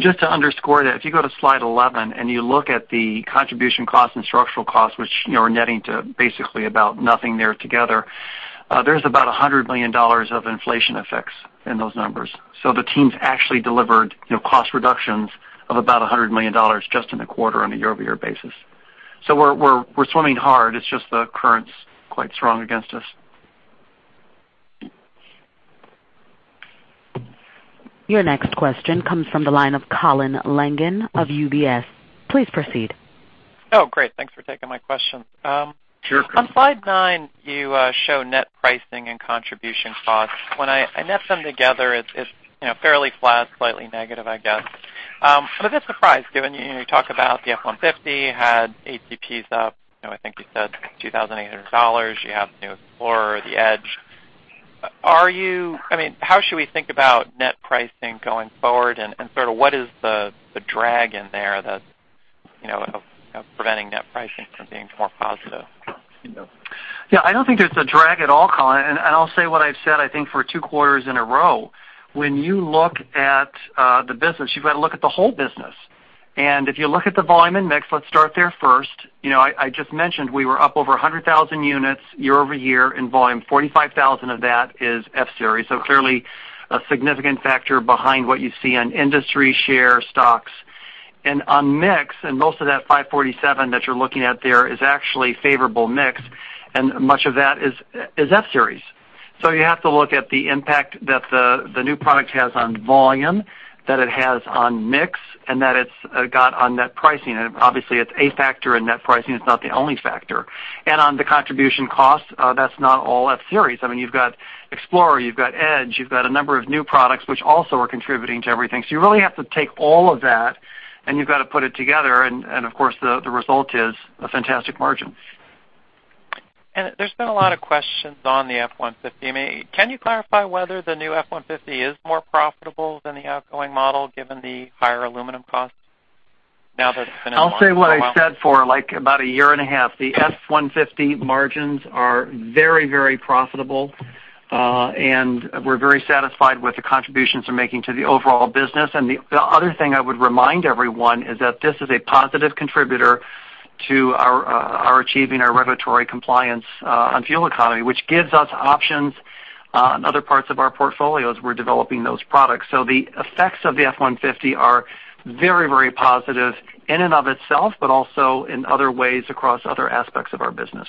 Just to underscore that, if you go to slide 11 and you look at the contribution cost and structural cost, which are netting to basically about nothing there together, there's about $100 million of inflation effects in those numbers. The teams actually delivered cost reductions of about $100 million just in the quarter on a year-over-year basis. We're swimming hard. It's just the current's quite strong against us. Your next question comes from the line of Colin Langan of UBS. Please proceed. Oh, great. Thanks for taking my questions. Sure. On slide nine, you show net pricing and contribution costs. When I net them together, it's fairly flat, slightly negative, I guess. I'm a bit surprised given you talk about the F-150 had ATPs up, I think you said $2,800. You have the new Explorer, the Edge. How should we think about net pricing going forward, and sort of what is the drag in there that's preventing net pricing from being more positive? Yeah, I don't think there's a drag at all, Colin, I'll say what I've said, I think, for two quarters in a row. When you look at the business, you've got to look at the whole business. If you look at the volume and mix, let's start there first. I just mentioned we were up over 100,000 units year-over-year in volume. 45,000 of that is F-Series. Clearly a significant factor behind what you see on industry share stocks. On mix, and most of that 547 that you're looking at there is actually favorable mix, and much of that is F-Series. You have to look at the impact that the new product has on volume, that it has on mix, and that it's got on net pricing. Obviously, it's a factor in net pricing. It's not the only factor. On the contribution cost, that's not all F-Series. You've got Explorer, you've got Edge, you've got a number of new products which also are contributing to everything. You really have to take all of that and you've got to put it together, and of course, the result is a fantastic margin. There's been a lot of questions on the F-150. Can you clarify whether the new F-150 is more profitable than the outgoing model given the higher aluminum cost now that it's been in the market for a while? I'll say what I said for about a year and a half. The F-150 margins are very profitable, and we're very satisfied with the contributions they're making to the overall business. The other thing I would remind everyone is that this is a positive contributor to our achieving our regulatory compliance on fuel economy, which gives us options on other parts of our portfolio as we're developing those products. The effects of the F-150 are very positive in and of itself, but also in other ways across other aspects of our business.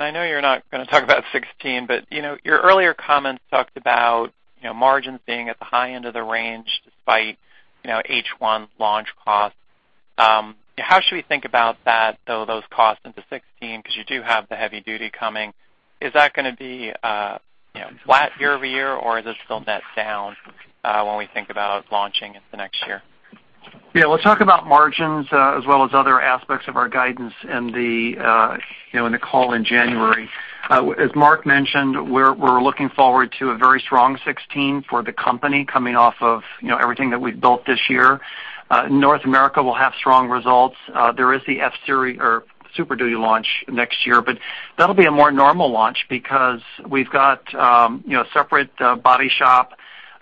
I know you're not going to talk about 2016, but your earlier comments talked about margins being at the high end of the range despite H1 launch costs. How should we think about that, though, those costs into 2016, because you do have the heavy duty coming. Is that going to be a flat year-over-year, or is this still net down when we think about launching into next year? We'll talk about margins as well as other aspects of our guidance in the call in January. As Mark mentioned, we're looking forward to a very strong 2016 for the company coming off of everything that we've built this year. North America will have strong results. There is the F-Series or Super Duty launch next year, but that'll be a more normal launch because we've got a separate body shop.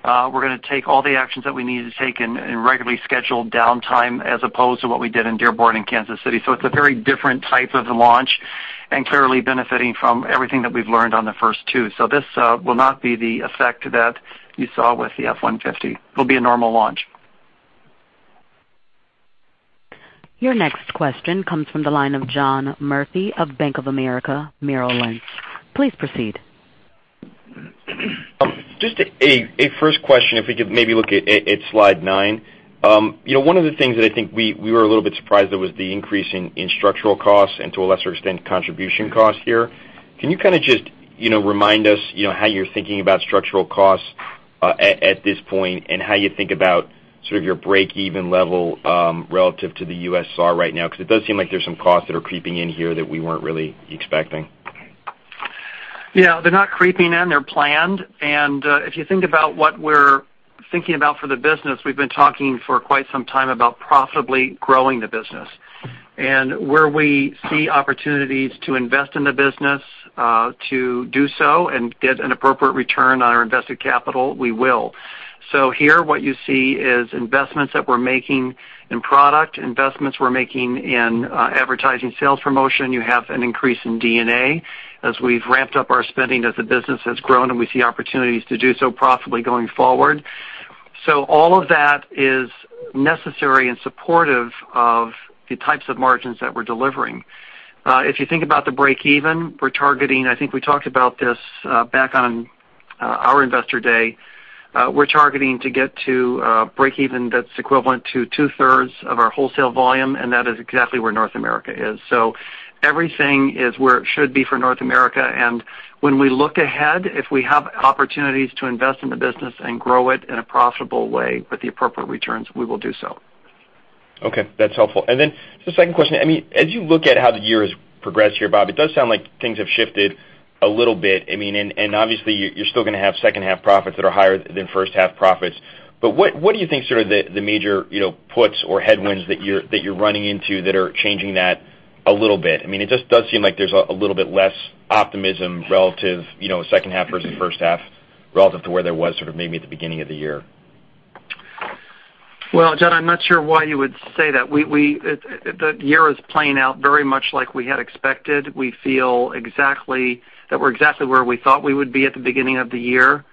We're going to take all the actions that we need to take in regularly scheduled downtime, as opposed to what we did in Dearborn and Kansas City. It's a very different type of launch and clearly benefiting from everything that we've learned on the first two. This will not be the effect that you saw with the F-150. It will be a normal launch. Your next question comes from the line of John Murphy of Bank of America Merrill Lynch. Please proceed. Just a first question, if we could maybe look at slide nine. One of the things that I think we were a little bit surprised at was the increase in structural costs and to a lesser extent, contribution costs here. Can you just remind us how you're thinking about structural costs at this point and how you think about sort of your breakeven level, relative to the U.S. SAR right now? It does seem like there's some costs that are creeping in here that we weren't really expecting. They're not creeping in, they're planned. If you think about what we're thinking about for the business, we've been talking for quite some time about profitably growing the business. Where we see opportunities to invest in the business, to do so and get an appropriate return on our invested capital, we will. Here what you see is investments that we're making in product, investments we're making in advertising sales promotion. You have an increase in D&A as we've ramped up our spending as the business has grown, and we see opportunities to do so profitably going forward. All of that is necessary and supportive of the types of margins that we're delivering. If you think about the breakeven we're targeting, I think we talked about this back on our investor day. We're targeting to get to a breakeven that's equivalent to two-thirds of our wholesale volume, that is exactly where North America is. Everything is where it should be for North America. When we look ahead, if we have opportunities to invest in the business and grow it in a profitable way with the appropriate returns, we will do so. Okay, that's helpful. Then just a second question. As you look at how the year has progressed here, Bob, it does sound like things have shifted a little bit. Obviously you're still going to have second half profits that are higher than first half profits, what do you think the major puts or headwinds that you're running into that are changing that a little bit? It just does seem like there's a little bit less optimism relative, second half versus first half, relative to where there was maybe at the beginning of the year. Well, John, I'm not sure why you would say that. The year is playing out very much like we had expected. We feel that we're exactly where we thought we would be at the beginning of the year.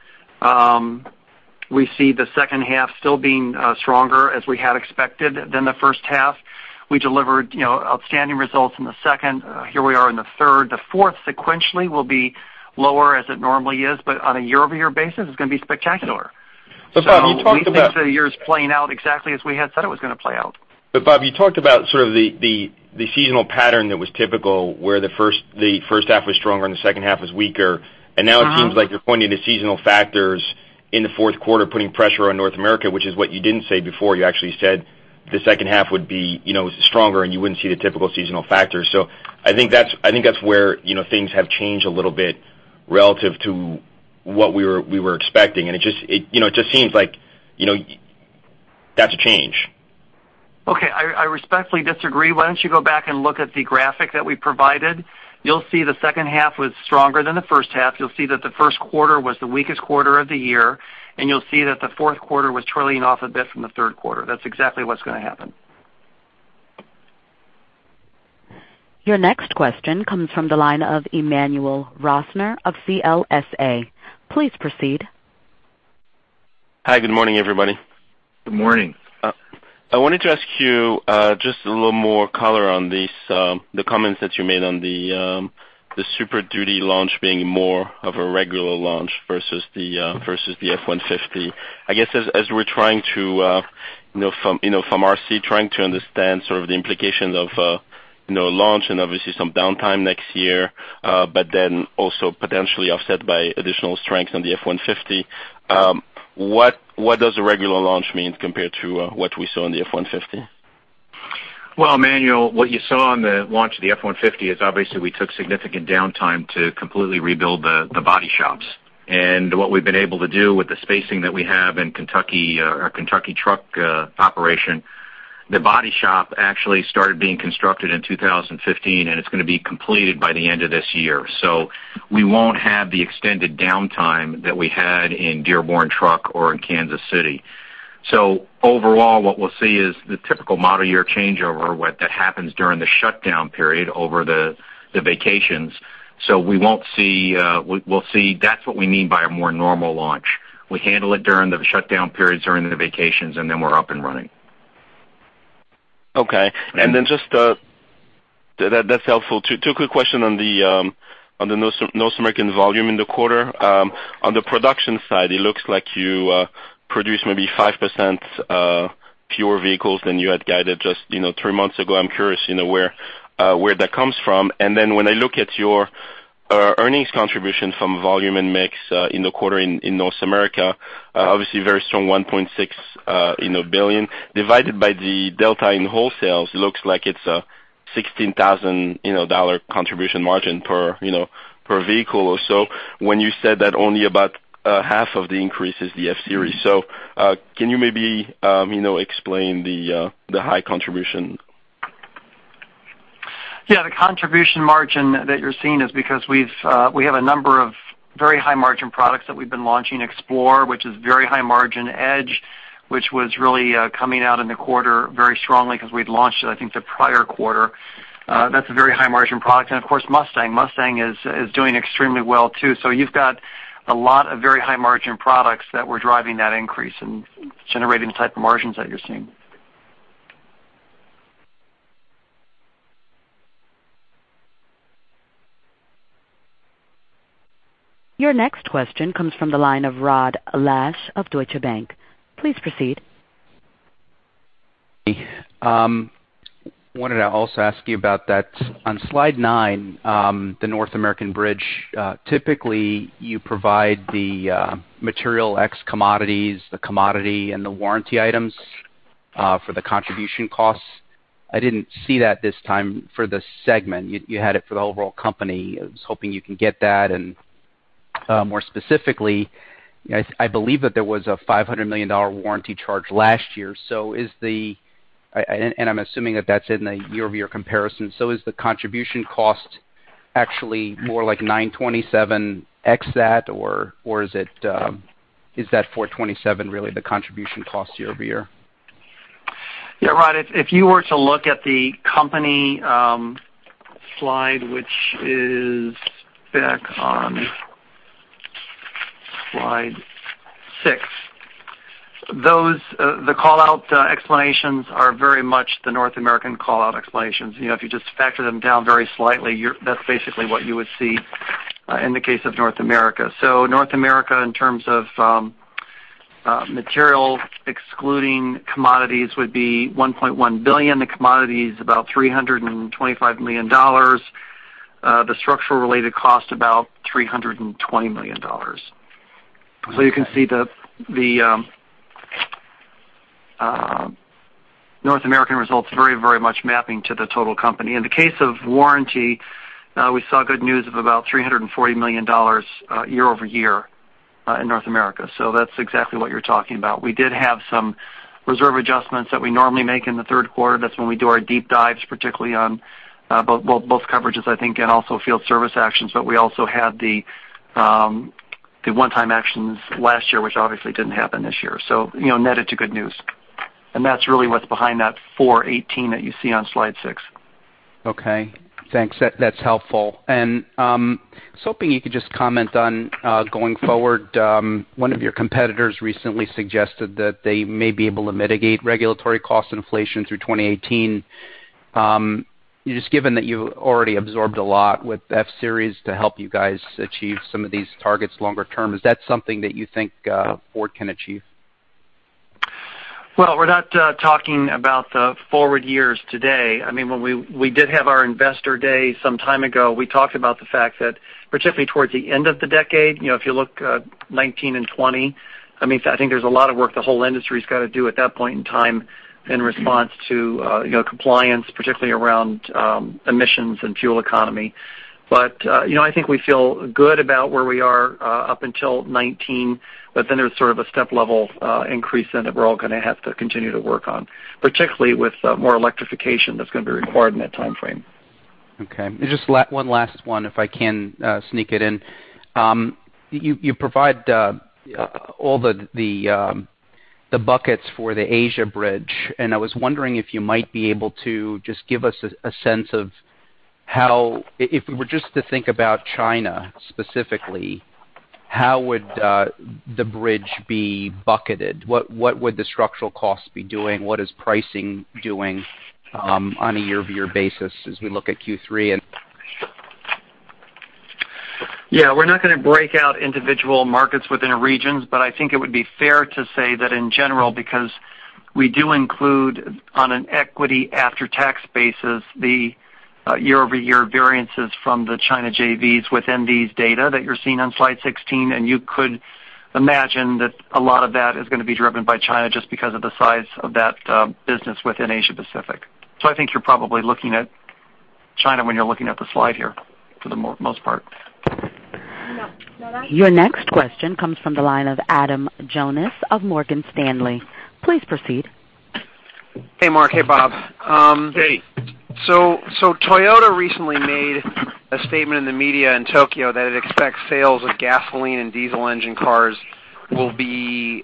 We see the second half still being stronger as we had expected than the first half. We delivered outstanding results in the second. Here we are in the third. The fourth sequentially will be lower as it normally is, on a year-over-year basis, it's going to be spectacular. Bob, you talked about- We think the year is playing out exactly as we had said it was going to play out. Bob, you talked about the seasonal pattern that was typical where the first half was stronger and the second half was weaker. Now it seems like you're pointing to seasonal factors in the fourth quarter, putting pressure on North America, which is what you didn't say before. You actually said the second half would be stronger and you wouldn't see the typical seasonal factors. I think that's where things have changed a little bit relative to what we were expecting. It just seems like that's a change. Okay. I respectfully disagree. Why don't you go back and look at the graphic that we provided? You'll see the second half was stronger than the first half. You'll see that the first quarter was the weakest quarter of the year, and you'll see that the fourth quarter was trailing off a bit from the third quarter. That's exactly what's going to happen. Your next question comes from the line of Emmanuel Rosner of CLSA. Please proceed. Hi, good morning, everybody. Good morning. I wanted to ask you just a little more color on the comments that you made on the Super Duty launch being more of a regular launch versus the F-150. I guess as we're trying to, from our side, trying to understand the implication of a launch and obviously some downtime next year, but then also potentially offset by additional strength on the F-150. What does a regular launch mean compared to what we saw on the F-150? Well, Emmanuel, what you saw on the launch of the F-150 is obviously we took significant downtime to completely rebuild the body shops. And what we've been able to do with the spacing that we have in our Kentucky truck operation, the body shop actually started being constructed in 2015, and it's going to be completed by the end of this year. We won't have the extended downtime that we had in Dearborn Truck or in Kansas City. Overall, what we'll see is the typical model year changeover that happens during the shutdown period over the vacations. That's what we mean by a more normal launch. We handle it during the shutdown periods, during the vacations, and then we're up and running. Okay. That's helpful. Two quick question on the North American volume in the quarter. On the production side, it looks like you produced maybe 5% fewer vehicles than you had guided just three months ago. I'm curious where that comes from. And then when I look at your earnings contribution from volume and mix in the quarter in North America, obviously very strong $1.6 billion, divided by the delta in wholesales, looks like it's a $16,000 contribution margin per vehicle or so, when you said that only about half of the increase is the F-Series. Can you maybe explain the high contribution? Yeah, the contribution margin that you're seeing is because we have a number of very high margin products that we've been launching. Explorer, which is very high margin. Edge, which was really coming out in the quarter very strongly because we'd launched it, I think, the prior quarter. That's a very high margin product. And of course, Mustang. Mustang is doing extremely well, too. So you've got a lot of very high margin products that were driving that increase and generating the type of margins that you're seeing. Your next question comes from the line of Rod Lache of Deutsche Bank. Please proceed. Wanted to also ask you about that on slide nine, the North American bridge. Typically, you provide the material X commodities, the commodity, and the warranty items for the contribution costs. I didn't see that this time for the segment. You had it for the overall company. I was hoping you can get that. More specifically, I believe that there was a $500 million warranty charge last year. I'm assuming that that's in the year-over-year comparison. Is the contribution cost actually more like $927 ex that or is that $427 really the contribution cost year-over-year? Yeah, Rod, if you were to look at the company slide, which is back on slide six. The callout explanations are very much the North American callout explanations. If you just factor them down very slightly, that's basically what you would see in the case of North America. North America, in terms of material, excluding commodities, would be $1.1 billion. The commodity is about $325 million. The structural related cost about $320 million. You can see the North American results very much mapping to the total company. In the case of warranty, we saw good news of about $340 million year-over-year in North America. That's exactly what you're talking about. We did have some reserve adjustments that we normally make in the third quarter. That's when we do our deep dives, particularly on both coverages, I think, and also field service actions. We also had the one-time actions last year, which obviously didn't happen this year. Net it to good news. That's really what's behind that $418 that you see on slide six. Okay. Thanks. That's helpful. I was hoping you could just comment on going forward. One of your competitors recently suggested that they may be able to mitigate regulatory cost inflation through 2018. Just given that you've already absorbed a lot with F-Series to help you guys achieve some of these targets longer term, is that something that you think Ford can achieve? Well, we're not talking about the forward years today. When we did have our investor day some time ago, we talked about the fact that particularly towards the end of the decade, if you look 2019 and 2020, I think there's a lot of work the whole industry's got to do at that point in time in response to compliance, particularly around emissions and fuel economy. I think we feel good about where we are up until 2019. Then there's sort of a step level increase then that we're all going to have to continue to work on, particularly with more electrification that's going to be required in that timeframe. Okay. Just one last one, if I can sneak it in. You provide all the buckets for the Asia bridge, and I was wondering if you might be able to just give us a sense of how, if we were just to think about China specifically, how would the bridge be bucketed? What would the structural costs be doing? What is pricing doing on a year-over-year basis as we look at Q3. Yeah, we're not going to break out individual markets within a region, I think it would be fair to say that in general, because we do include on an equity after-tax basis the year-over-year variances from the China JVs within these data that you're seeing on slide 16. You could imagine that a lot of that is going to be driven by China just because of the size of that business within Asia Pacific. I think you're probably looking at China when you're looking at the slide here for the most part. Your next question comes from the line of Adam Jonas of Morgan Stanley. Please proceed. Hey, Mark. Hey, Bob. Hey. Toyota recently made a statement in the media in Tokyo that it expects sales of gasoline and diesel engine cars will be,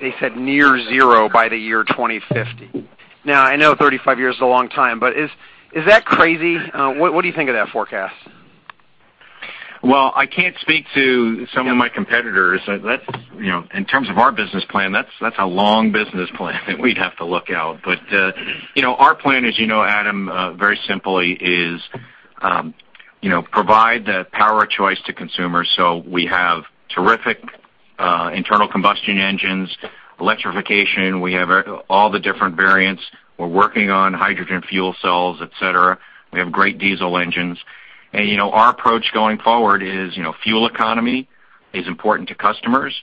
they said, near zero by the year 2050. I know 35 years is a long time, is that crazy? What do you think of that forecast? Well, I can't speak to some of my competitors. In terms of our business plan, that's a long business plan that we'd have to look out. Our plan, as you know, Adam, very simply is provide the power of choice to consumers. We have terrific internal combustion engines, electrification. We have all the different variants. We're working on hydrogen fuel cells, et cetera. We have great diesel engines. Our approach going forward is fuel economy is important to customers,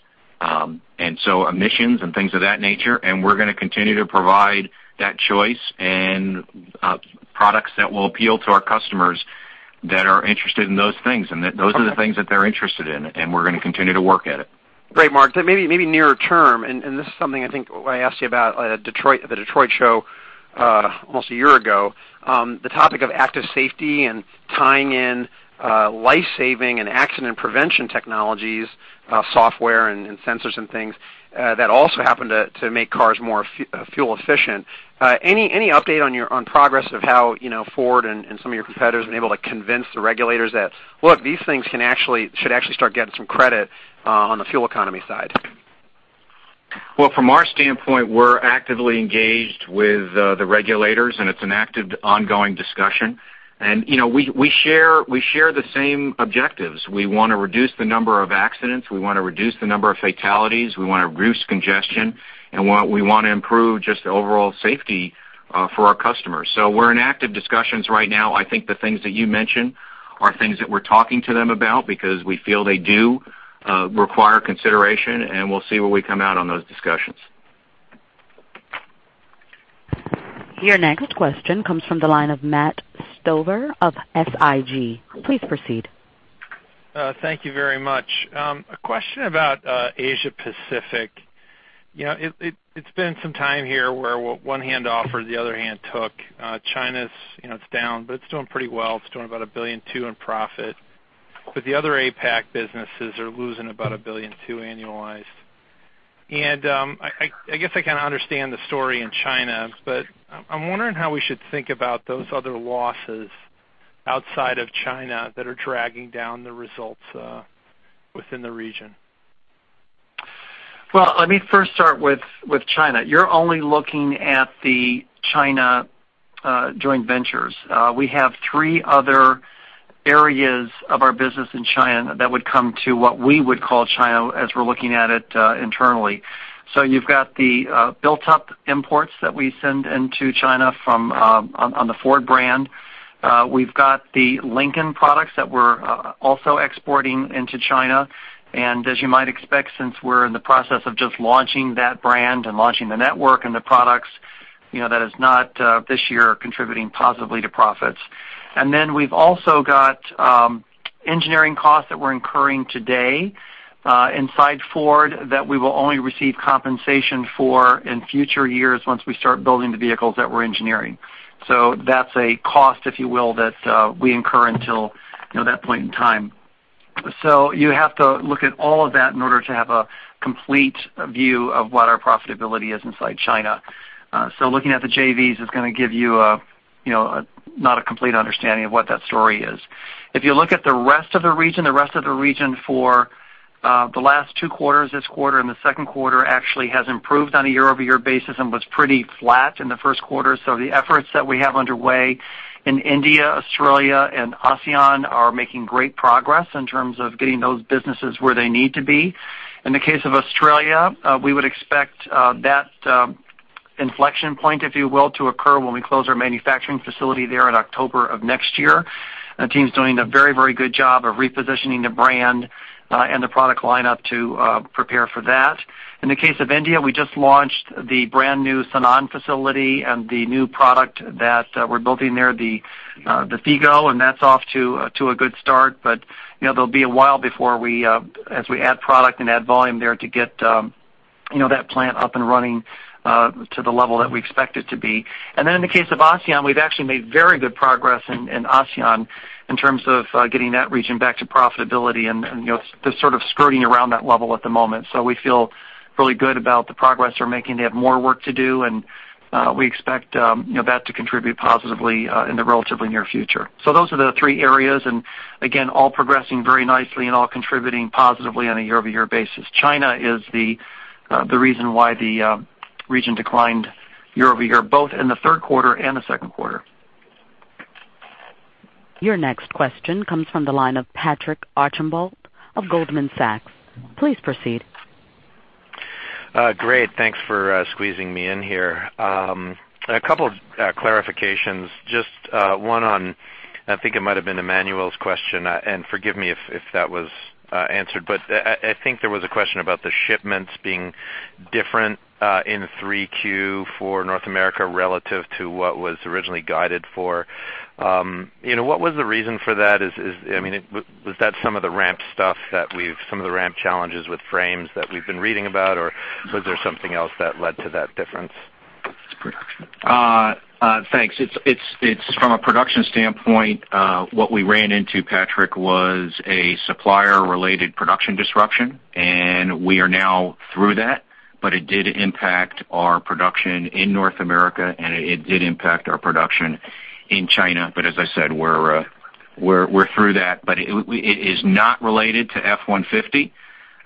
and so emissions and things of that nature, and we're going to continue to provide that choice and products that will appeal to our customers that are interested in those things. Those are the things that they're interested in, and we're going to continue to work at it. Great, Mark. Maybe nearer term, this is something I think I asked you about at the Detroit Show almost a year ago. The topic of active safety and tying in life-saving and accident prevention technologies, software, and sensors and things that also happen to make cars more fuel efficient. Any update on progress of how Ford and some of your competitors have been able to convince the regulators that, look, these things should actually start getting some credit on the fuel economy side? Well, from our standpoint, we're actively engaged with the regulators, it's an active, ongoing discussion. We share the same objectives. We want to reduce the number of accidents, we want to reduce the number of fatalities, we want to reduce congestion, we want to improve just the overall safety for our customers. We're in active discussions right now. I think the things that you mentioned are things that we're talking to them about because we feel they do require consideration, and we'll see where we come out on those discussions. Your next question comes from the line of Matt Stover of SIG. Please proceed. Thank you very much. A question about Asia Pacific. It's been some time here where one hand offers, the other hand took. China, it's down, but it's doing pretty well. It's doing about $1.2 billion in profit. The other APAC businesses are losing about $1.2 billion annualized. I guess I kind of understand the story in China, but I'm wondering how we should think about those other losses outside of China that are dragging down the results within the region. Well, let me first start with China. You're only looking at the China joint ventures. We have three other areas of our business in China that would come to what we would call China as we're looking at it internally. You've got the built-up imports that we send into China on the Ford brand. We've got the Lincoln products that we're also exporting into China. As you might expect, since we're in the process of just launching that brand and launching the network and the products, that is not this year contributing positively to profits. We've also got engineering costs that we're incurring today inside Ford that we will only receive compensation for in future years once we start building the vehicles that we're engineering. That's a cost, if you will, that we incur until that point in time. You have to look at all of that in order to have a complete view of what our profitability is inside China. Looking at the JVs is going to give you not a complete understanding of what that story is. If you look at the rest of the region, the rest of the region for the last two quarters, this quarter and the second quarter, actually has improved on a year-over-year basis and was pretty flat in the first quarter. The efforts that we have underway in India, Australia, and ASEAN are making great progress in terms of getting those businesses where they need to be. In the case of Australia, we would expect that inflection point, if you will, to occur when we close our manufacturing facility there in October of next year. The team's doing a very good job of repositioning the brand and the product lineup to prepare for that. In the case of India, we just launched the brand new Sanand facility and the new product that we're building there, the Figo, and that's off to a good start. There'll be a while as we add product and add volume there to get that plant up and running to the level that we expect it to be. In the case of ASEAN, we've actually made very good progress in ASEAN in terms of getting that region back to profitability and just sort of skirting around that level at the moment. We feel really good about the progress we're making. They have more work to do, and we expect that to contribute positively in the relatively near future. Those are the three areas, and again, all progressing very nicely and all contributing positively on a year-over-year basis. China is the reason why the region declined year-over-year, both in the third quarter and the second quarter. Your next question comes from the line of Patrick Archambault of Goldman Sachs. Please proceed. Great. Thanks for squeezing me in here. A couple of clarifications. Just one on, I think it might have been Emmanuel's question, and forgive me if that was answered, but I think there was a question about the shipments being different in Q3 for North America relative to what was originally guided for. What was the reason for that? Was that some of the ramp challenges with frames that we've been reading about, or was there something else that led to that difference? Thanks. From a production standpoint, what we ran into, Patrick, was a supplier-related production disruption, and we are now through that. It did impact our production in North America, and it did impact our production in China. As I said, we're through that. It is not related to F-150.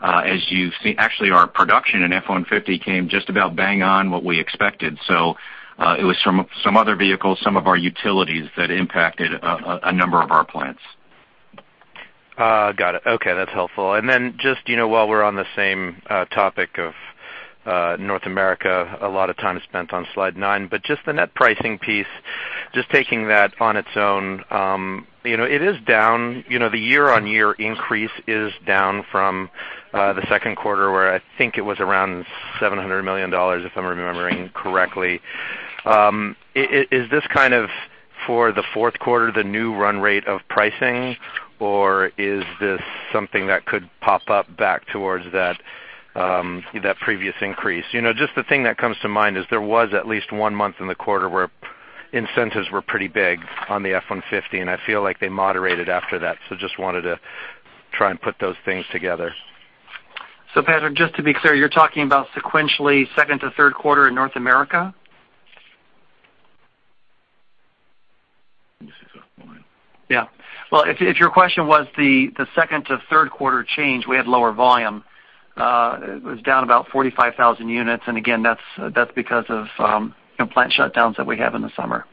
Actually, our production in F-150 came just about bang on what we expected. It was some other vehicles, some of our utilities that impacted a number of our plants. Got it. Okay, that's helpful. Just while we're on the same topic of North America, a lot of time is spent on slide nine, just the net pricing piece, just taking that on its own. It is down. The year-on-year increase is down from the second quarter, where I think it was around $700 million, if I'm remembering correctly. Is this kind of, for the fourth quarter, the new run rate of pricing, or is this something that could pop up back towards that previous increase? Just the thing that comes to mind is there was at least one month in the quarter where incentives were pretty big on the F-150, and I feel like they moderated after that. Just wanted to try and put those things together. Patrick, just to be clear, you're talking about sequentially second to third quarter in North America? Let me see if I have volume. Yeah. Well, if your question was the second to third quarter change, we had lower volume. It was down about 45,000 units. Again, that's because of plant shutdowns that we have in the summer.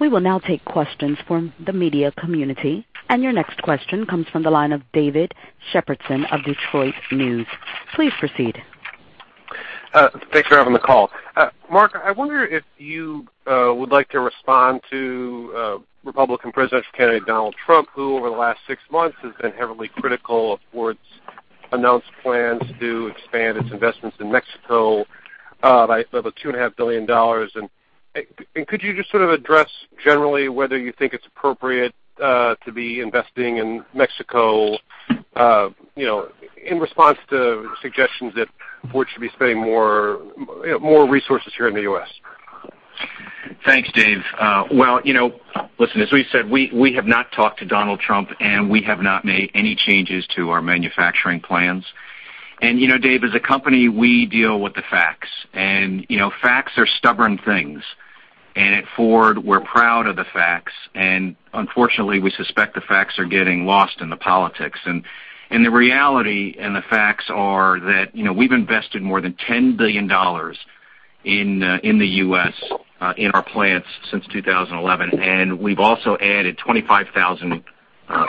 We will now take questions from the media community. Your next question comes from the line of David Shepardson of The Detroit News. Please proceed. Thanks for having me call. Mark, I wonder if you would like to respond to Republican presidential candidate Donald Trump, who, over the last six months, has been heavily critical of Ford's announced plans to expand its investments in Mexico by about $2.5 billion. Could you just sort of address generally whether you think it's appropriate to be investing in Mexico, in response to suggestions that Ford should be spending more resources here in the U.S.? Thanks, Dave. Listen, as we said, we have not talked to Donald Trump, we have not made any changes to our manufacturing plans. Dave, as a company, we deal with the facts are stubborn things. At Ford, we're proud of the facts. Unfortunately, we suspect the facts are getting lost in the politics. The reality and the facts are that we've invested more than $10 billion in the U.S. in our plants since 2011. We've also added 25,000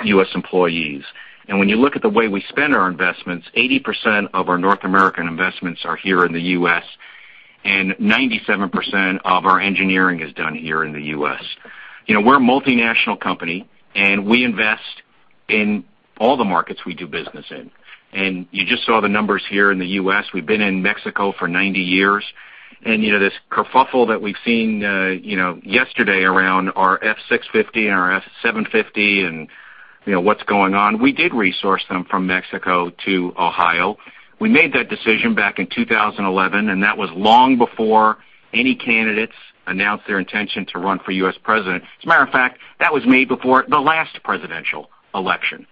U.S. employees. When you look at the way we spend our investments, 80% of our North American investments are here in the U.S., 97% of our engineering is done here in the U.S. We're a multinational company, we invest in all the markets we do business in. You just saw the numbers here in the U.S. We've been in Mexico for 90 years, this kerfuffle that we've seen yesterday around our F-650 and our F-750 and what's going on, we did resource them from Mexico to Ohio. We made that decision back in 2011, that was long before any candidates announced their intention to run for U.S. president. As a matter of fact, that was made before the last presidential election.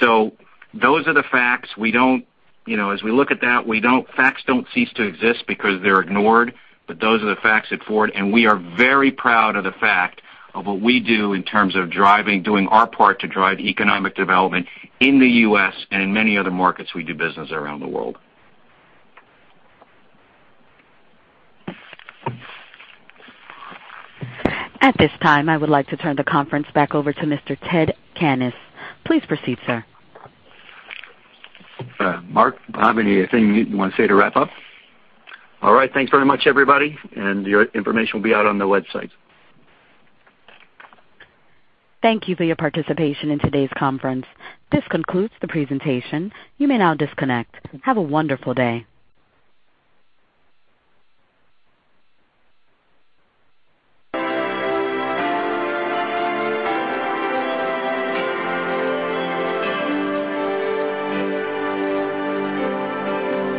Those are the facts. As we look at that, facts don't cease to exist because they're ignored. Those are the facts at Ford, we are very proud of the fact of what we do in terms of doing our part to drive economic development in the U.S. and in many other markets we do business around the world. At this time, I would like to turn the conference back over to Mr. Ted Cannis. Please proceed, sir. Mark, Bob, anything you want to say to wrap up? All right. Thanks very much, everybody, and your information will be out on the website. Thank you for your participation in today's conference. This concludes the presentation. You may now disconnect. Have a wonderful day.